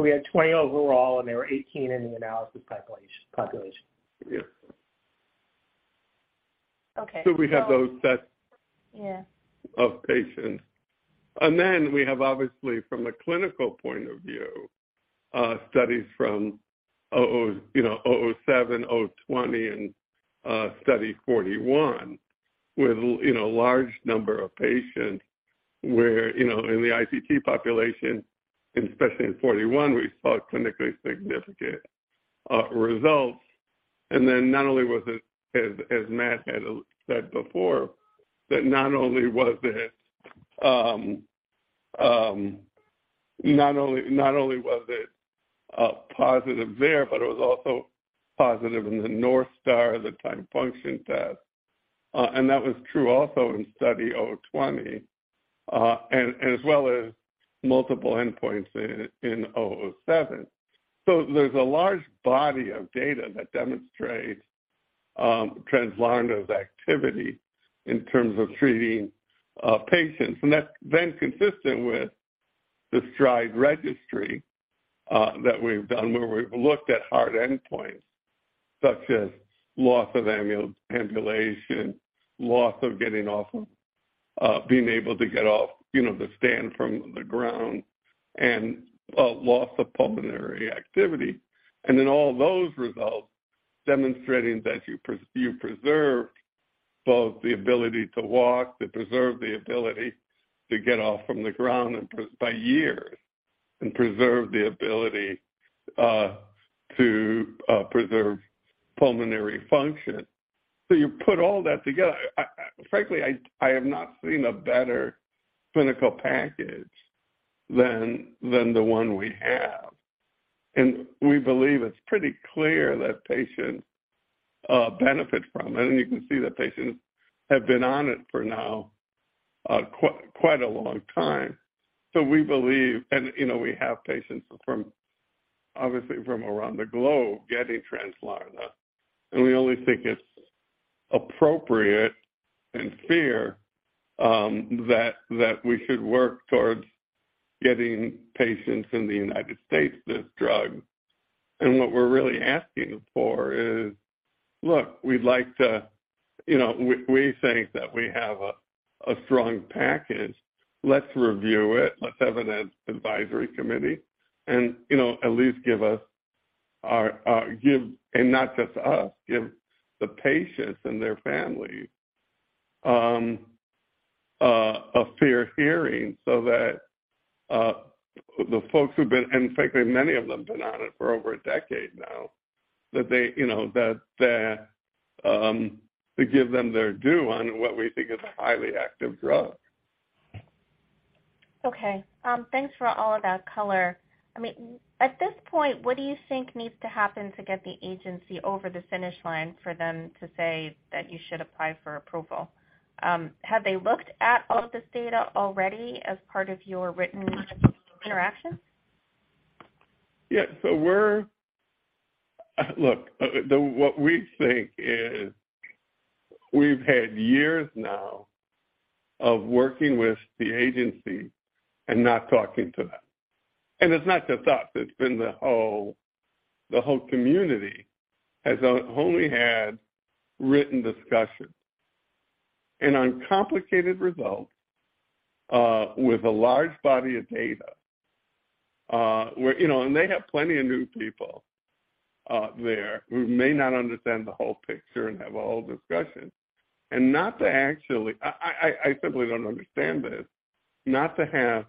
We had 20 overall, and there were 18 in the analysis population. Yeah. Okay. we have those Yeah Of patients. We have, obviously from a clinical point of view, studies from you know, Study 007, Study 020 and Study 041 with you know, large number of patients where, you know, in the ITT population and especially in 41, we saw clinically significant results. Not only was it as Matthew Klein had said before, that not only was it positive there, but it was also positive in the North Star, the time function test. That was true also in Study 020. As well as multiple endpoints in Study 007. There's a large body of data that demonstrates Translarna's activity in terms of treating patients. That's then consistent with the STRIDE registry that we've done where we've looked at hard endpoints such as loss of ambulation, loss of getting off, being able to get off, you know, to stand from the ground and loss of pulmonary activity. All those results demonstrating that you preserve both the ability to walk, to preserve the ability to get off from the ground and by years and preserve the ability to preserve pulmonary function. You put all that together. I frankly, I have not seen a better clinical package than the one we have. We believe it's pretty clear that patients benefit from it. You can see that patients have been on it for now quite a long time. We believe, you know, we have patients from, obviously from around the globe getting Translarna. We only think it's appropriate and fair that we should work towards getting patients in the United States this drug. What we're really asking for is, look, we'd like to, you know, we think that we have a strong package. Let's review it. Let's evidence advisory committee, you know, at least give us our, give the patients and their families a fair hearing so that the folks who've been, and frankly, many of them have been on it for over a decade now, that they, you know, that to give them their due on what we think is a highly active drug. Thanks for all of that color. I mean, at this point, what do you think needs to happen to get the agency over the finish line for them to say that you should apply for approval? Have they looked at all of this data already as part of your written interaction? Yeah. Look, what we think is we've had years now of working with the agency and not talking to them. It's not just us. It's been the whole community has only had written discussions. On complicated results, with a large body of data, where, you know, and they have plenty of new people there who may not understand the whole picture and have a whole discussion. Not to actually I simply don't understand this, not to have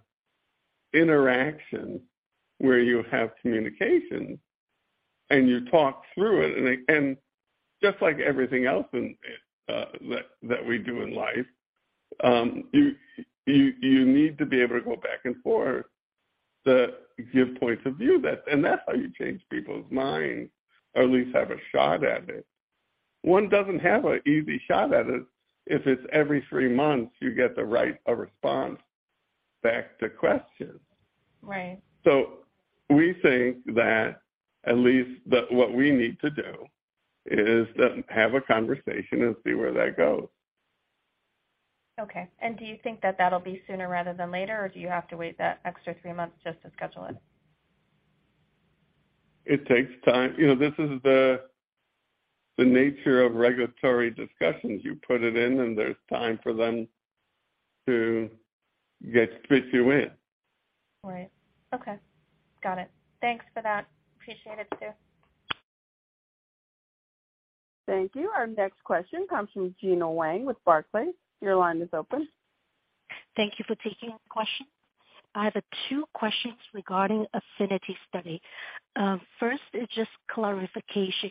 interactions where you have communication and you talk through it. Just like everything else in that we do in life, you need to be able to go back and forth to give points of view that. That's how you change people's minds or at least have a shot at it. One doesn't have an easy shot at it if it's every three months you get to write a response back to questions. Right. We think that at least what we need to do is have a conversation and see where that goes. Okay. Do you think that that'll be sooner rather than later, or do you have to wait that extra three months just to schedule it? It takes time. You know, this is the nature of regulatory discussions. You put it in, there's time for them to get, fit you in. Right. Okay. Got it. Thanks for that. Appreciate it, Stu. Thank you. Our next question comes from Gena Wang with Barclays. Your line is open. Thank you for taking the question. I have two questions regarding APHENITY study. First is just clarification.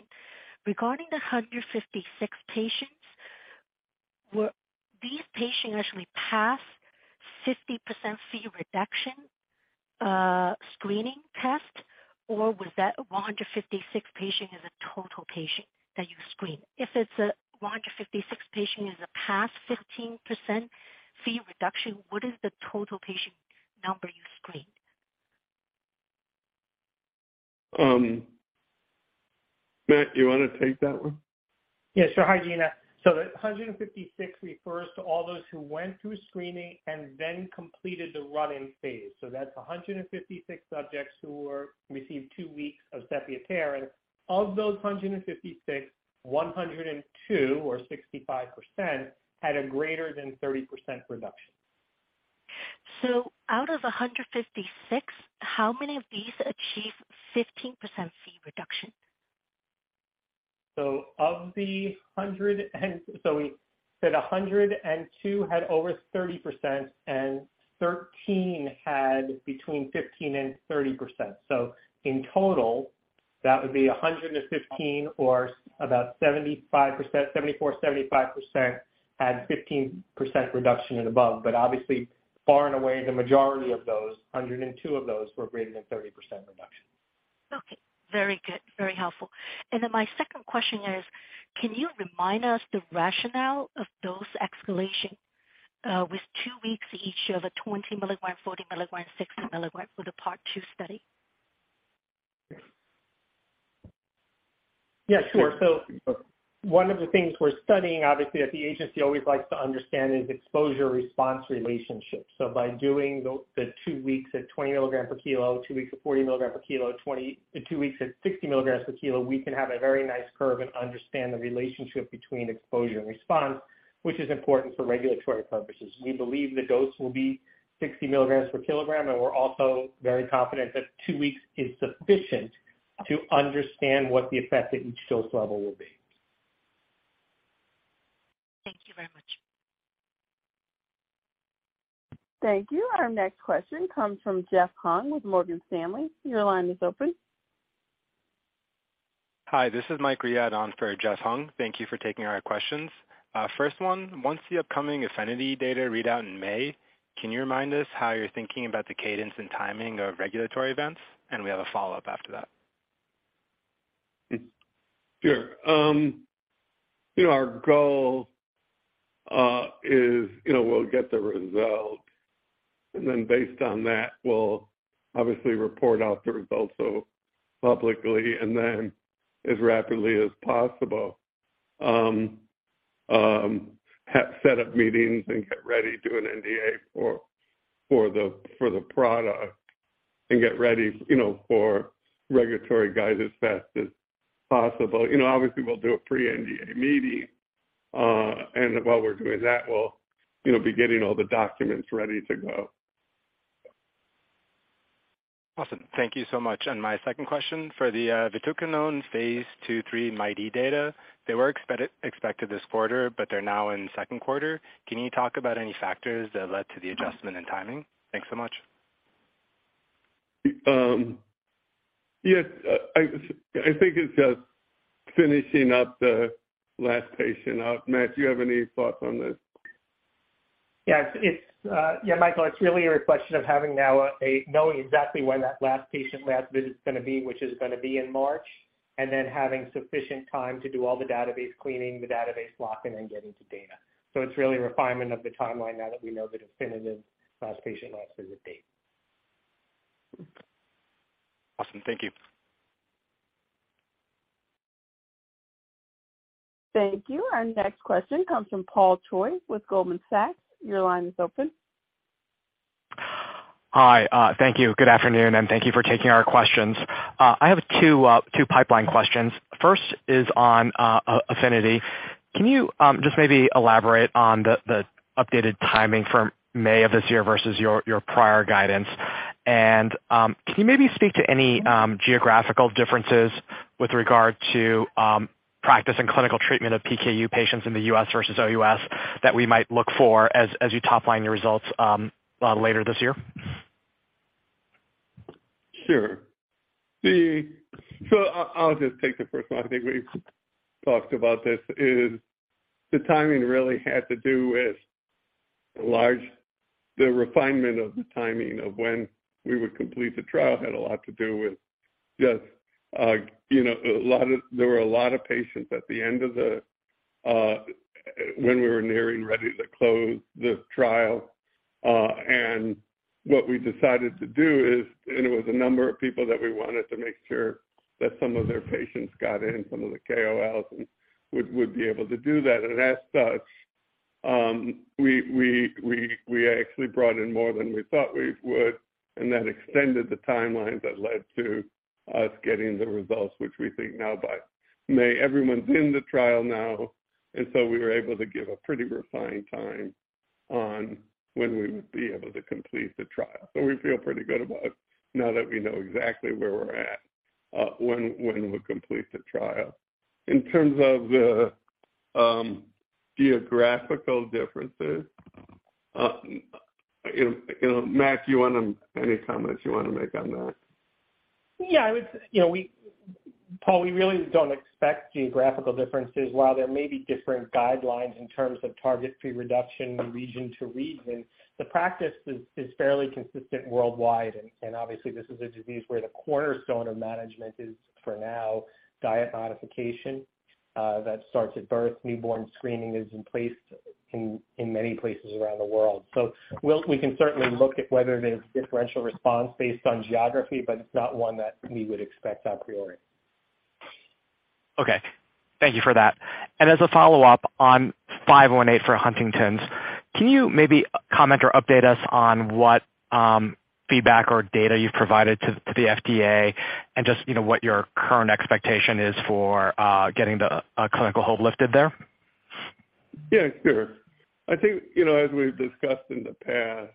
Regarding the 156 patients, were these patients actually passed 50% Phe reduction, screening test, or was that 156 patient is a total patient that you screened? If it's, 156 patient is a passed 15% Phe reduction, what is the total patient number you screened? Matt, do you wanna take that one? Yes, sure. Hi, Gina. The 156 refers to all those who went through screening and then completed the run-in phase. That's 156 subjects who were received two weeks of sepiapterin. Of those 156, 102 or 65% had a greater than 30% reduction. Out of 156, how many of these achieve 15% fee reduction? We said 102 had over 30% and 13 had between 15% and 30%. In total, that would be 115 or about 75%, 74%, 75% had 15% reduction and above. Obviously far and away, the majority of those, 102 of those were greater than 30% reduction. Okay. Very good. Very helpful. My second question is, can you remind us the rationale of dose escalation with two weeks each of a 20mg, 40 mg, 60 mg for the part two study? Yeah, sure. One of the things we're studying, obviously that the agency always likes to understand, is exposure-response relationships. By doing the two weeks at 20 mg per kilo, two weeks at 40 mg per kilo, two weeks at 60 mg per kilo, we can have a very nice curve and understand the relationship between exposure and response, which is important for regulatory purposes. We believe the dose will be 60 mg per kilogram, and we're also very confident that two weeks is sufficient to understand what the effect at each dose level will be. Thank you very much. Thank you. Our next question comes from Jeff Hung with Morgan Stanley. Your line is open. Hi, this is Mike Riad on for Jeff Hung. Thank you for taking our questions. First one, once the upcoming APHENITY data read out in May, can you remind us how you're thinking about the cadence and timing of regulatory events? We have a follow-up after that. Sure. You know, our goal is, you know, we'll get the results. Based on that, we'll obviously report out the results so publicly. As rapidly as possible, have set up meetings and get ready to do an NDA for the product and get ready, you know, for regulatory guides as fast as possible. You know, obviously we'll do a pre-NDA meeting, and while we're doing that, we'll, you know, be getting all the documents ready to go. Awesome. Thank you so much. My second question for the vatiquinone phase II /III MIT-E data, they were expected this quarter, but they're now in the second quarter. Can you talk about any factors that led to the adjustment and timing? Thanks so much. Yes. I think it's just finishing up the last patient up. Matt, do you have any thoughts on this? Yes, it's, Yeah, Michael, it's really a question of having now knowing exactly when that last patient last visit is gonna be, which is gonna be in March, and then having sufficient time to do all the database cleaning, the database lock in, and getting to data. It's really refinement of the timeline now that we know the definitive last patient last visit date. Awesome. Thank you. Thank you. Our next question comes from Paul Choi with Goldman Sachs. Your line is open. Hi. Thank you. Good afternoon, and thank you for taking our questions. I have two pipeline questions. First is on APHENITY. Can you just maybe elaborate on the updated timing from May of this year versus your prior guidance? Can you maybe speak to any geographical differences with regard to practice and clinical treatment of PKU patients in the US versus OUS that we might look for as you top line the results later this year? Sure. I'll just take the first one. I think we've talked about this. The refinement of the timing of when we would complete the trial had a lot to do with just, you know, there were a lot of patients at the end of the when we were nearing ready to close the trial. What we decided to do is, and it was a number of people that we wanted to make sure that some of their patients got in, some of the KOLs and would be able to do that. As such, we actually brought in more than we thought we would, and that extended the timeline that led to us getting the results, which we think now by May. Everyone's in the trial now, we were able to give a pretty refined time on when we would be able to complete the trial. We feel pretty good about now that we know exactly where we're at, when we'll complete the trial. In terms of the geographical differences, you know, Matt, any comments you wanna make on that? Yeah, you know, Paul, we really don't expect geographical differences. While there may be different guidelines in terms of target Phe reduction region to region, the practice is fairly consistent worldwide. Obviously this is a disease where the cornerstone of management is, for now, diet modification that starts at birth. Newborn screening is in place in many places around the world. We can certainly look at whether there's differential response based on geography, but it's not one that we would expect a priori. Okay. Thank you for that. As a follow-up on PTC518 for Huntington's, can you maybe comment or update us on what feedback or data you've provided to the FDA and just, you know, what your current expectation is for getting the clinical hold lifted there? Yeah, sure. I think, you know, as we've discussed in the past,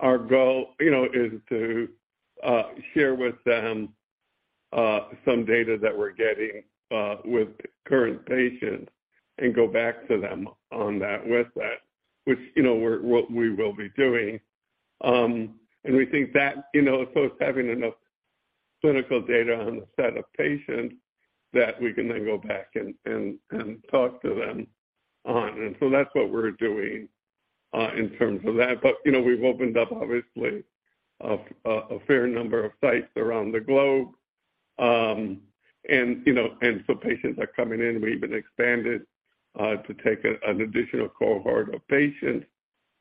our goal, you know, is to share with them some data that we're getting with current patients and go back to them on that with that, which, you know, we will be doing. We think that, you know, so it's having enough clinical data on the set of patients that we can then go back and talk to them on. That's what we're doing in terms of that. You know, we've opened up obviously, a fair number of sites around the globe. You know, patients are coming in. We even expanded to take an additional cohort of patients.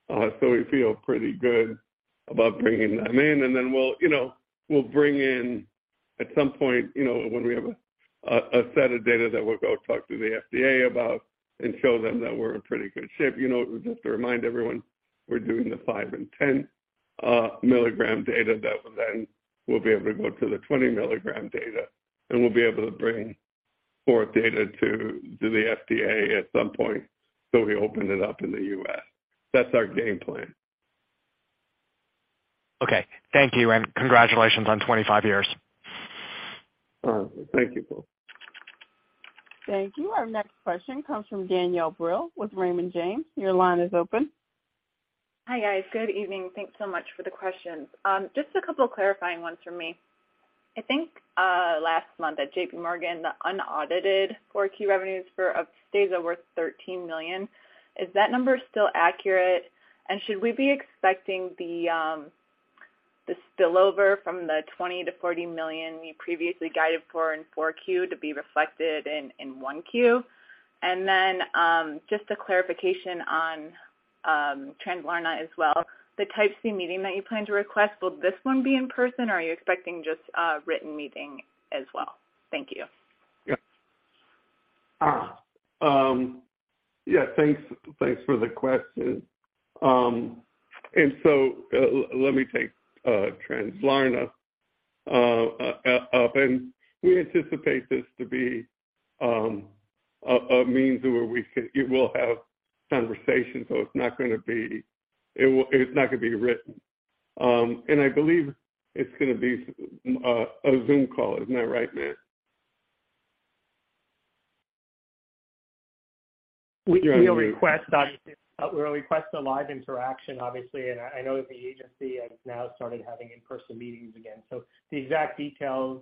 So we feel pretty good about bringing them in. We'll, you know, we'll bring in at some point, you know, when we have a set of data that we'll go talk to the FDA about and show them that we're in pretty good shape. You know, just to remind everyone, we're doing the 5 mg and 10 mg data that will then we'll be able to go to the 20 mg data, and we'll be able to bring forward data to the FDA at some point, so we open it up in the U.S. That's our game plan. Okay. Thank you. Congratulations on 25 years. Thank you. Thank you. Our next question comes from Danielle Brill with Raymond James. Your line is open. Hi, guys. Good evening. Thanks so much for the questions. Just a couple clarifying ones for me. I think, last month at JPMorgan, the unaudited 4Q revenues for Upstaza were $13 million. Is that number still accurate? Should we be expecting the spillover from the $20 million-40 million you previously guided for in Q4 to be reflected in Q1? Just a clarification on Translarna as well. The Type C meeting that you plan to request, will this one be in person, or are you expecting just a written meeting as well? Thank you. Yeah. Thanks. Thanks for the question. Let me take Translarna up. We anticipate this to be a means where it will have conversation, so it's not gonna be, it's not gonna be written. I believe it's gonna be a Zoom call. Isn't that right, Matt? We'll request a live interaction, obviously, and I know that the agency has now started having in-person meetings again. The exact details,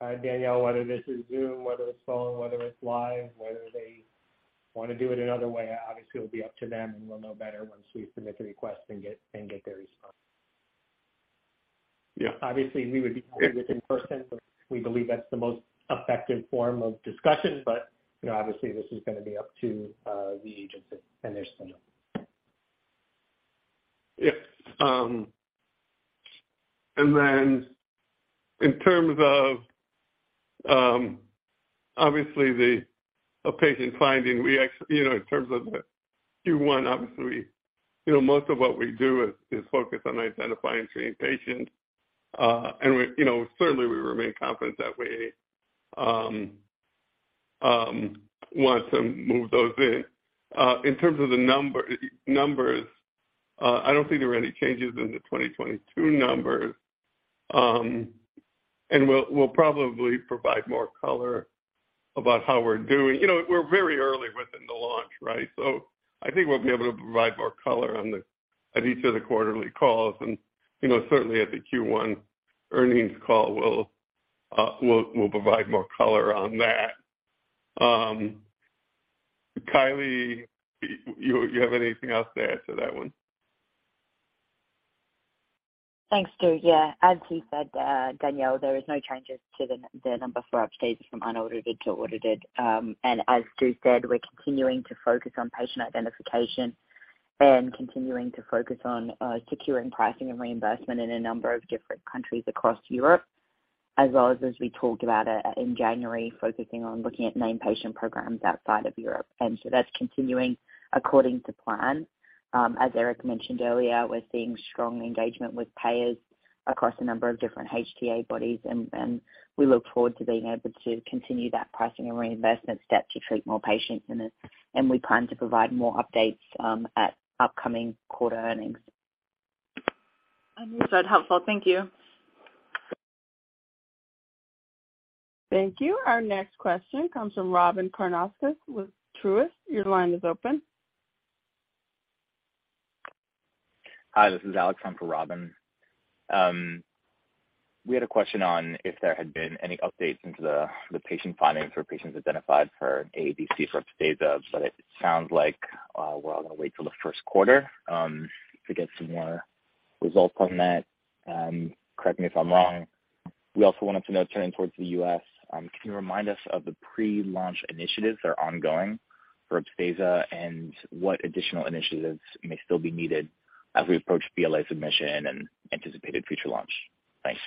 Danielle, whether this is Zoom, whether it's phone, whether it's live, whether they wanna do it another way, obviously it'll be up to them, and we'll know better once we submit the request and get their response. Yeah. Obviously, we would be happy with in-person. We believe that's the most effective form of discussion, but, you know, obviously this is gonna be up to the agency and their schedule. Yes. In terms of, obviously the patient finding, you know, in terms of the Q1, obviously, you know, most of what we do is focused on identifying and treating patients. We, you know, certainly we remain confident that we want to move those in. In terms of the numbers, I don't think there are any changes in the 2022 numbers. We'll probably provide more color about how we're doing. You know, we're very early within the launch, right? I think we'll be able to provide more color on the at each of the quarterly calls. You know, certainly at the Q1 earnings call, we'll provide more color on that. Kylie, you have anything else to add to that one? Thanks, Stu. Yeah. As he said, Danielle, there is no changes to the number for Upstaza from unaudited to audited. As Stu said, we're continuing to focus on patient identification and continuing to focus on securing pricing and reimbursement in a number of different countries across Europe, as well as we talked about in January, focusing on looking at nine patient programs outside of Europe. That's continuing according to plan. As Eric mentioned earlier, we're seeing strong engagement with payers across a number of different HTA bodies, and we look forward to being able to continue that pricing and reinvestment step to treat more patients in this. We plan to provide more updates at upcoming quarter earnings. Understood. Helpful. Thank you. Thank you. Our next question comes from Robyn Karnauskas with Truist. Your line is open. Hi, this is Alex in for Robyn. We had a question on if there had been any updates into the patient findings for patients identified for AADC for Upstaza, but it sounds like we're all gonna wait till the first quarter to get some more results on that. Correct me if I'm wrong. We also wanted to know, turning towards the U.S., can you remind us of the pre-launch initiatives that are ongoing for Upstaza and what additional initiatives may still be needed as we approach BLA submission and anticipated future launch? Thanks.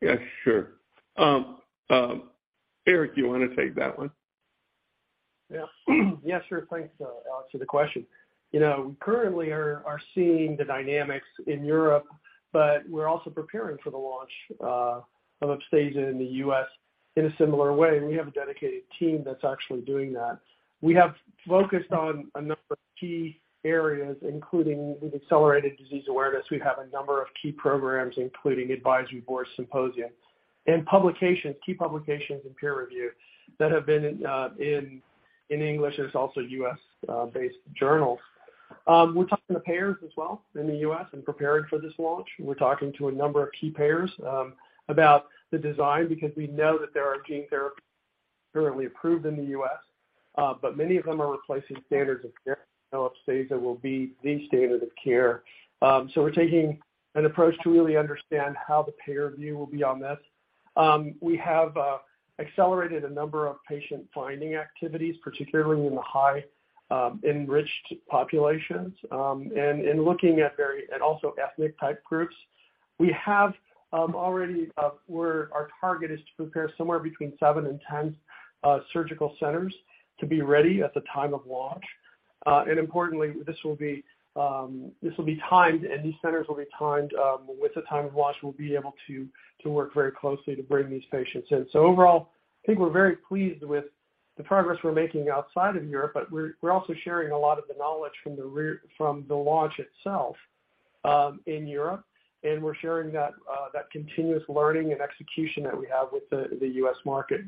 Yeah, sure. Eric, you wanna take that one? Yeah. Yeah, sure. Thanks, Alex, for the question. You know, currently are seeing the dynamics in Europe, but we're also preparing for the launch of Upstaza in the U.S. In a similar way, we have a dedicated team that's actually doing that. We have focused on a number of key areas, including we've accelerated disease awareness. We have a number of key programs, including advisory board symposium and publications, key publications and peer review that have been in English, it's also U.S.-based journals. We're talking to payers as well in the U.S. and preparing for this launch. We're talking to a number of key payers about the design because we know that there are gene therapy currently approved in the U.S., but many of them are replacing standards of care. Will be the standard of care. We're taking an approach to really understand how the payer view will be on this. We have accelerated a number of patient finding activities, particularly in the high enriched populations. In looking at very... and also ethnic type groups. We have already. Our target is to prepare somewhere between seven and 10 surgical centers to be ready at the time of launch. Importantly, this will be this will be timed, and these centers will be timed with the time of launch, we'll be able to work very closely to bring these patients in. Overall, I think we're very pleased with the progress we're making outside of Europe, but we're also sharing a lot of the knowledge from the launch itself in Europe. We're sharing that continuous learning and execution that we have with the U.S. market.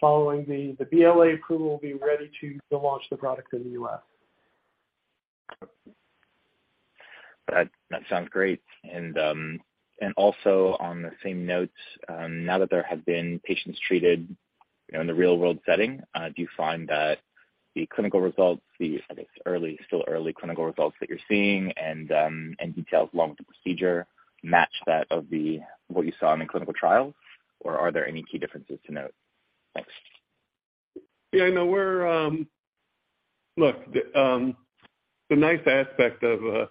Following the BLA approval, we'll be ready to launch the product in the U.S. That sounds great. Also on the same note, now that there have been patients treated, you know, in the real-world setting, do you find that the clinical results, I guess, still early clinical results that you're seeing and details along with the procedure match that of what you saw in the clinical trials, or are there any key differences to note? Thanks. Yeah, I know we're. Look, the nice aspect of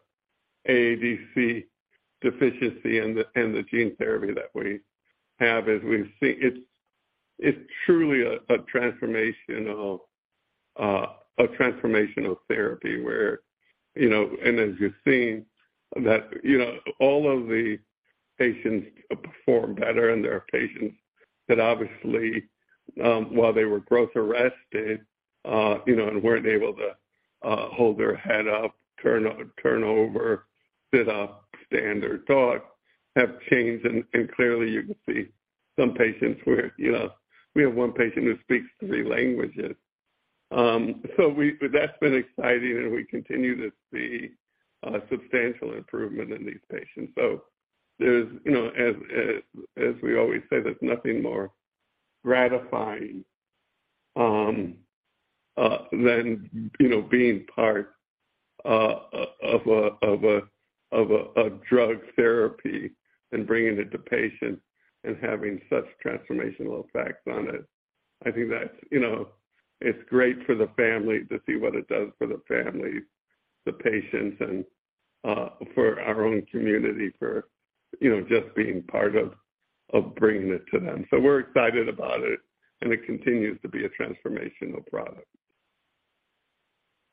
AADC deficiency and the gene therapy that we have is it's truly a transformational, a transformational therapy where, you know, as you're seeing that, you know, all of the patients perform better and there are patients that obviously, while they were growth arrested, you know, and weren't able to hold their head up, turn over, sit up, stand or talk, have changed. Clearly you can see some patients where, you know, we have one patient who speaks three languages. That's been exciting and we continue to see substantial improvement in these patients. There's, you know, as we always say, there's nothing more gratifying, than, you know, being part, of a, of drug therapy and bringing it to patients and having such transformational effects on it. I think that's, you know, it's great for the family to see what it does for the families, the patients, and, for our own community for, you know, just being part of bringing it to them. We're excited about it, and it continues to be a transformational product.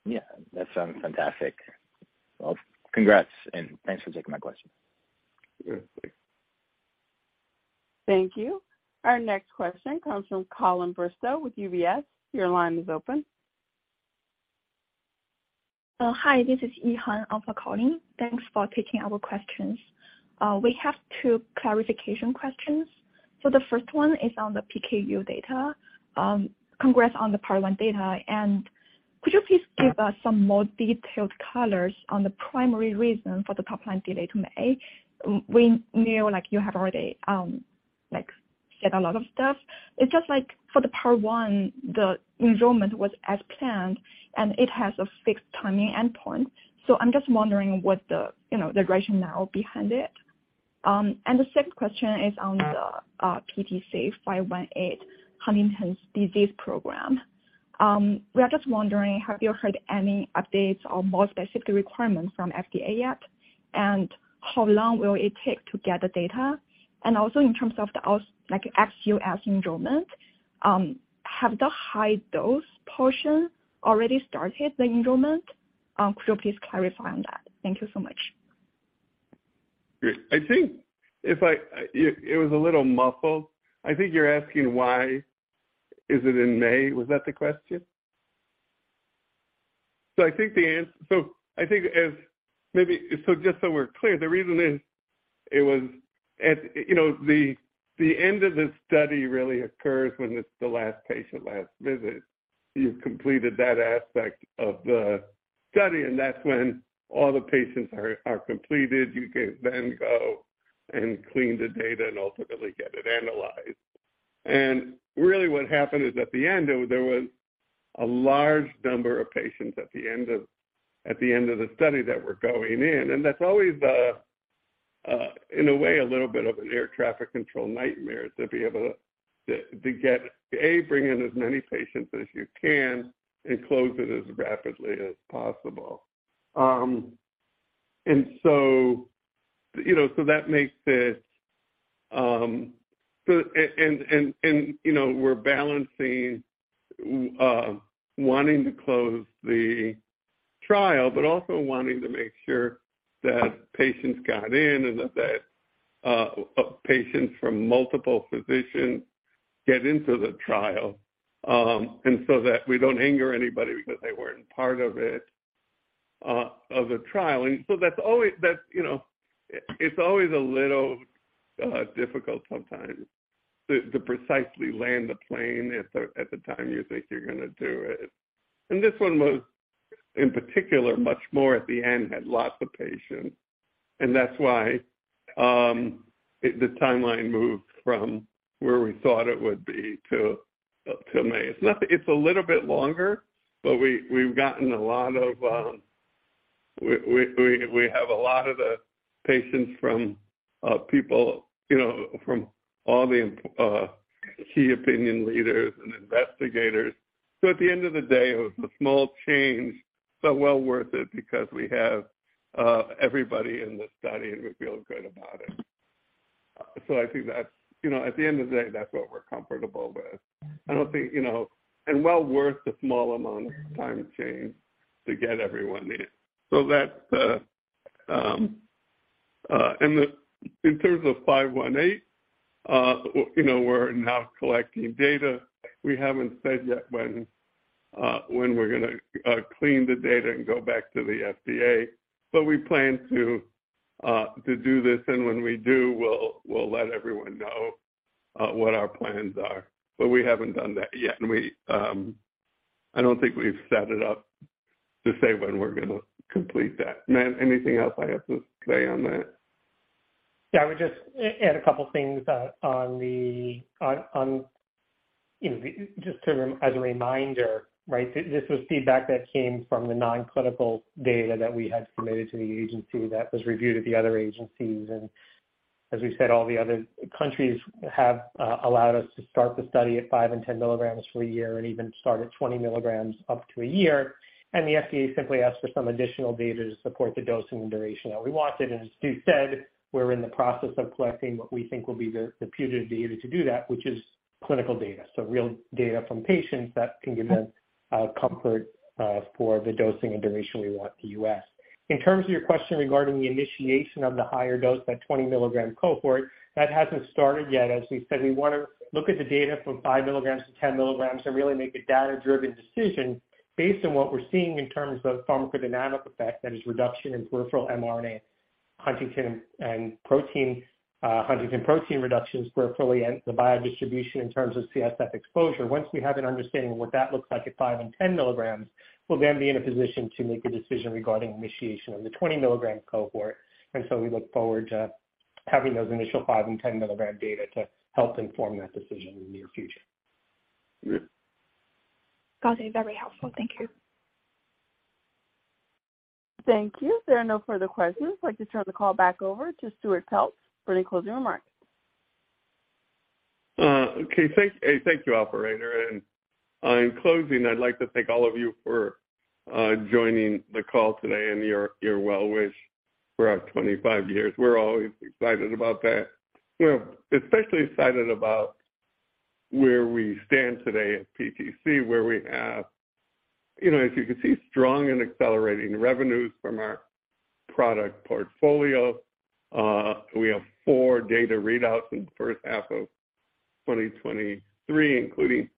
Yeah, that sounds fantastic. Well, congrats, and thanks for taking my question. Yeah. Thanks. Thank you. Our next question comes from Colin Bristow with UBS. Your line is open. Hi, this is Yihan on for Colin. Thanks for taking our questions. We have two clarification questions. The first one is on the PKU data. Congrats on the part one data. Could you please give us some more detailed colors on the primary reason for the top line delay to May? We know like you have already said a lot of stuff. It's just like for the part one, the enrollment was as planned, and it has a fixed timing endpoint. I'm just wondering what the, you know, the rationale behind it. The second question is on the PTC518 Huntington's Disease program. We are just wondering, have you heard any updates or more specific requirements from FDA yet? How long will it take to get the data? In terms of XUS enrollment, have the high dose portion already started the enrollment? Could you please clarify on that? Thank you so much. I think if it was a little muffled. I think you're asking why is it in May? Was that the question? I think the answer, I think as maybe... Just so we're clear, the reason is it was at, you know, the end of the study really occurs when it's the last patient, last visit. You've completed that aspect of the study, and that's when all the patients are completed. You can then go and clean the data and ultimately get it analyzed. Really what happened is, at the end, there was a large number of patients at the end of the study that were going in. That's always, in a way, a little bit of an air traffic control nightmare to be able to get, A, bring in as many patients as you can and close it as rapidly as possible. So, you know, so that makes it so and, you know, we're balancing, wanting to close the trial, but also wanting to make sure that patients got in and that, patients from multiple physicians get into the trial. So that we don't anger anybody because they weren't part of it, of the trial. That's always. That's, you know, it's always a little difficult sometimes to precisely land the plane at the time you think you're gonna do it. This one was, in particular, much more at the end, had lots of patients. That's why the timeline moved from where we thought it would be to May. It's a little bit longer, but we've gotten a lot of the patients from people, you know, from all the key opinion leaders and investigators. At the end of the day, it was a small change, but well worth it because we have everybody in this study, and we feel good about it. I think that's, you know, at the end of the day, that's what we're comfortable with. I don't think, you know. Well worth the small amount of time change to get everyone in. That's. In terms of PTC518, you know, we're now collecting data. We haven't said yet when we're gonna clean the data and go back to the FDA, we plan to do this, and when we do, we'll let everyone know what our plans are. We haven't done that yet. I don't think we've set it up to say when we're gonna complete that. Matt, anything else I have to say on that? I would just add a couple things, you know. Just as a reminder, right? This was feedback that came from the non-clinical data that we had submitted to the agency that was reviewed at the other agencies. As we've said, all the other countries have allowed us to start the study at 5mg to 10 mgs for a year and even start at 20 mg up to a year. The FDA simply asked for some additional data to support the dosing and duration that we wanted. As Stu said, we're in the process of collecting what we think will be the putative data to do that, which is clinical data. Real data from patients that can give them comfort for the dosing and duration we want in the US. In terms of your question regarding the initiation of the higher dose, that 20-mg cohort, that hasn't started yet. As we said, we wanna look at the data from 5 mg to 10 mg and really make a data-driven decision based on what we're seeing in terms of pharmacodynamic effect, that is reduction in peripheral HTT mRNA and protein, huntingtin protein reductions peripherally and the biodistribution in terms of CSF exposure. Once we have an understanding of what that looks like at 5 mg and 10 mg, we'll then be in a position to make a decision regarding initiation of the 20-mg cohort. We look forward to having those initial 5 mg and 10 migdata to help inform that decision in the near future. Great. Got it. Very helpful. Thank you. Thank you. If there are no further questions, I'd like to turn the call back over to Stuart Peltz for any closing remarks. Okay. Thank you, operator. In closing, I'd like to thank all of you for joining the call today and your well wish for our 25 years. We're always excited about that. We're especially excited about where we stand today at PTC, where we have, you know, as you can see, strong and accelerating revenues from our product portfolio. We have four data readouts in the first half of 2023, including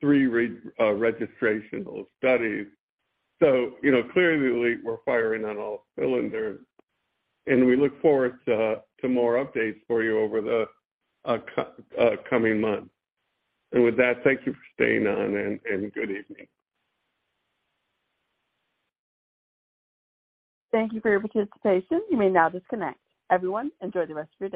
three registrational studies. Clearly we're firing on all cylinders, and we look forward to more updates for you over the coming months. With that, thank you for staying on and good evening. Thank you for your participation. You may now disconnect. Everyone, enjoy the rest of your day.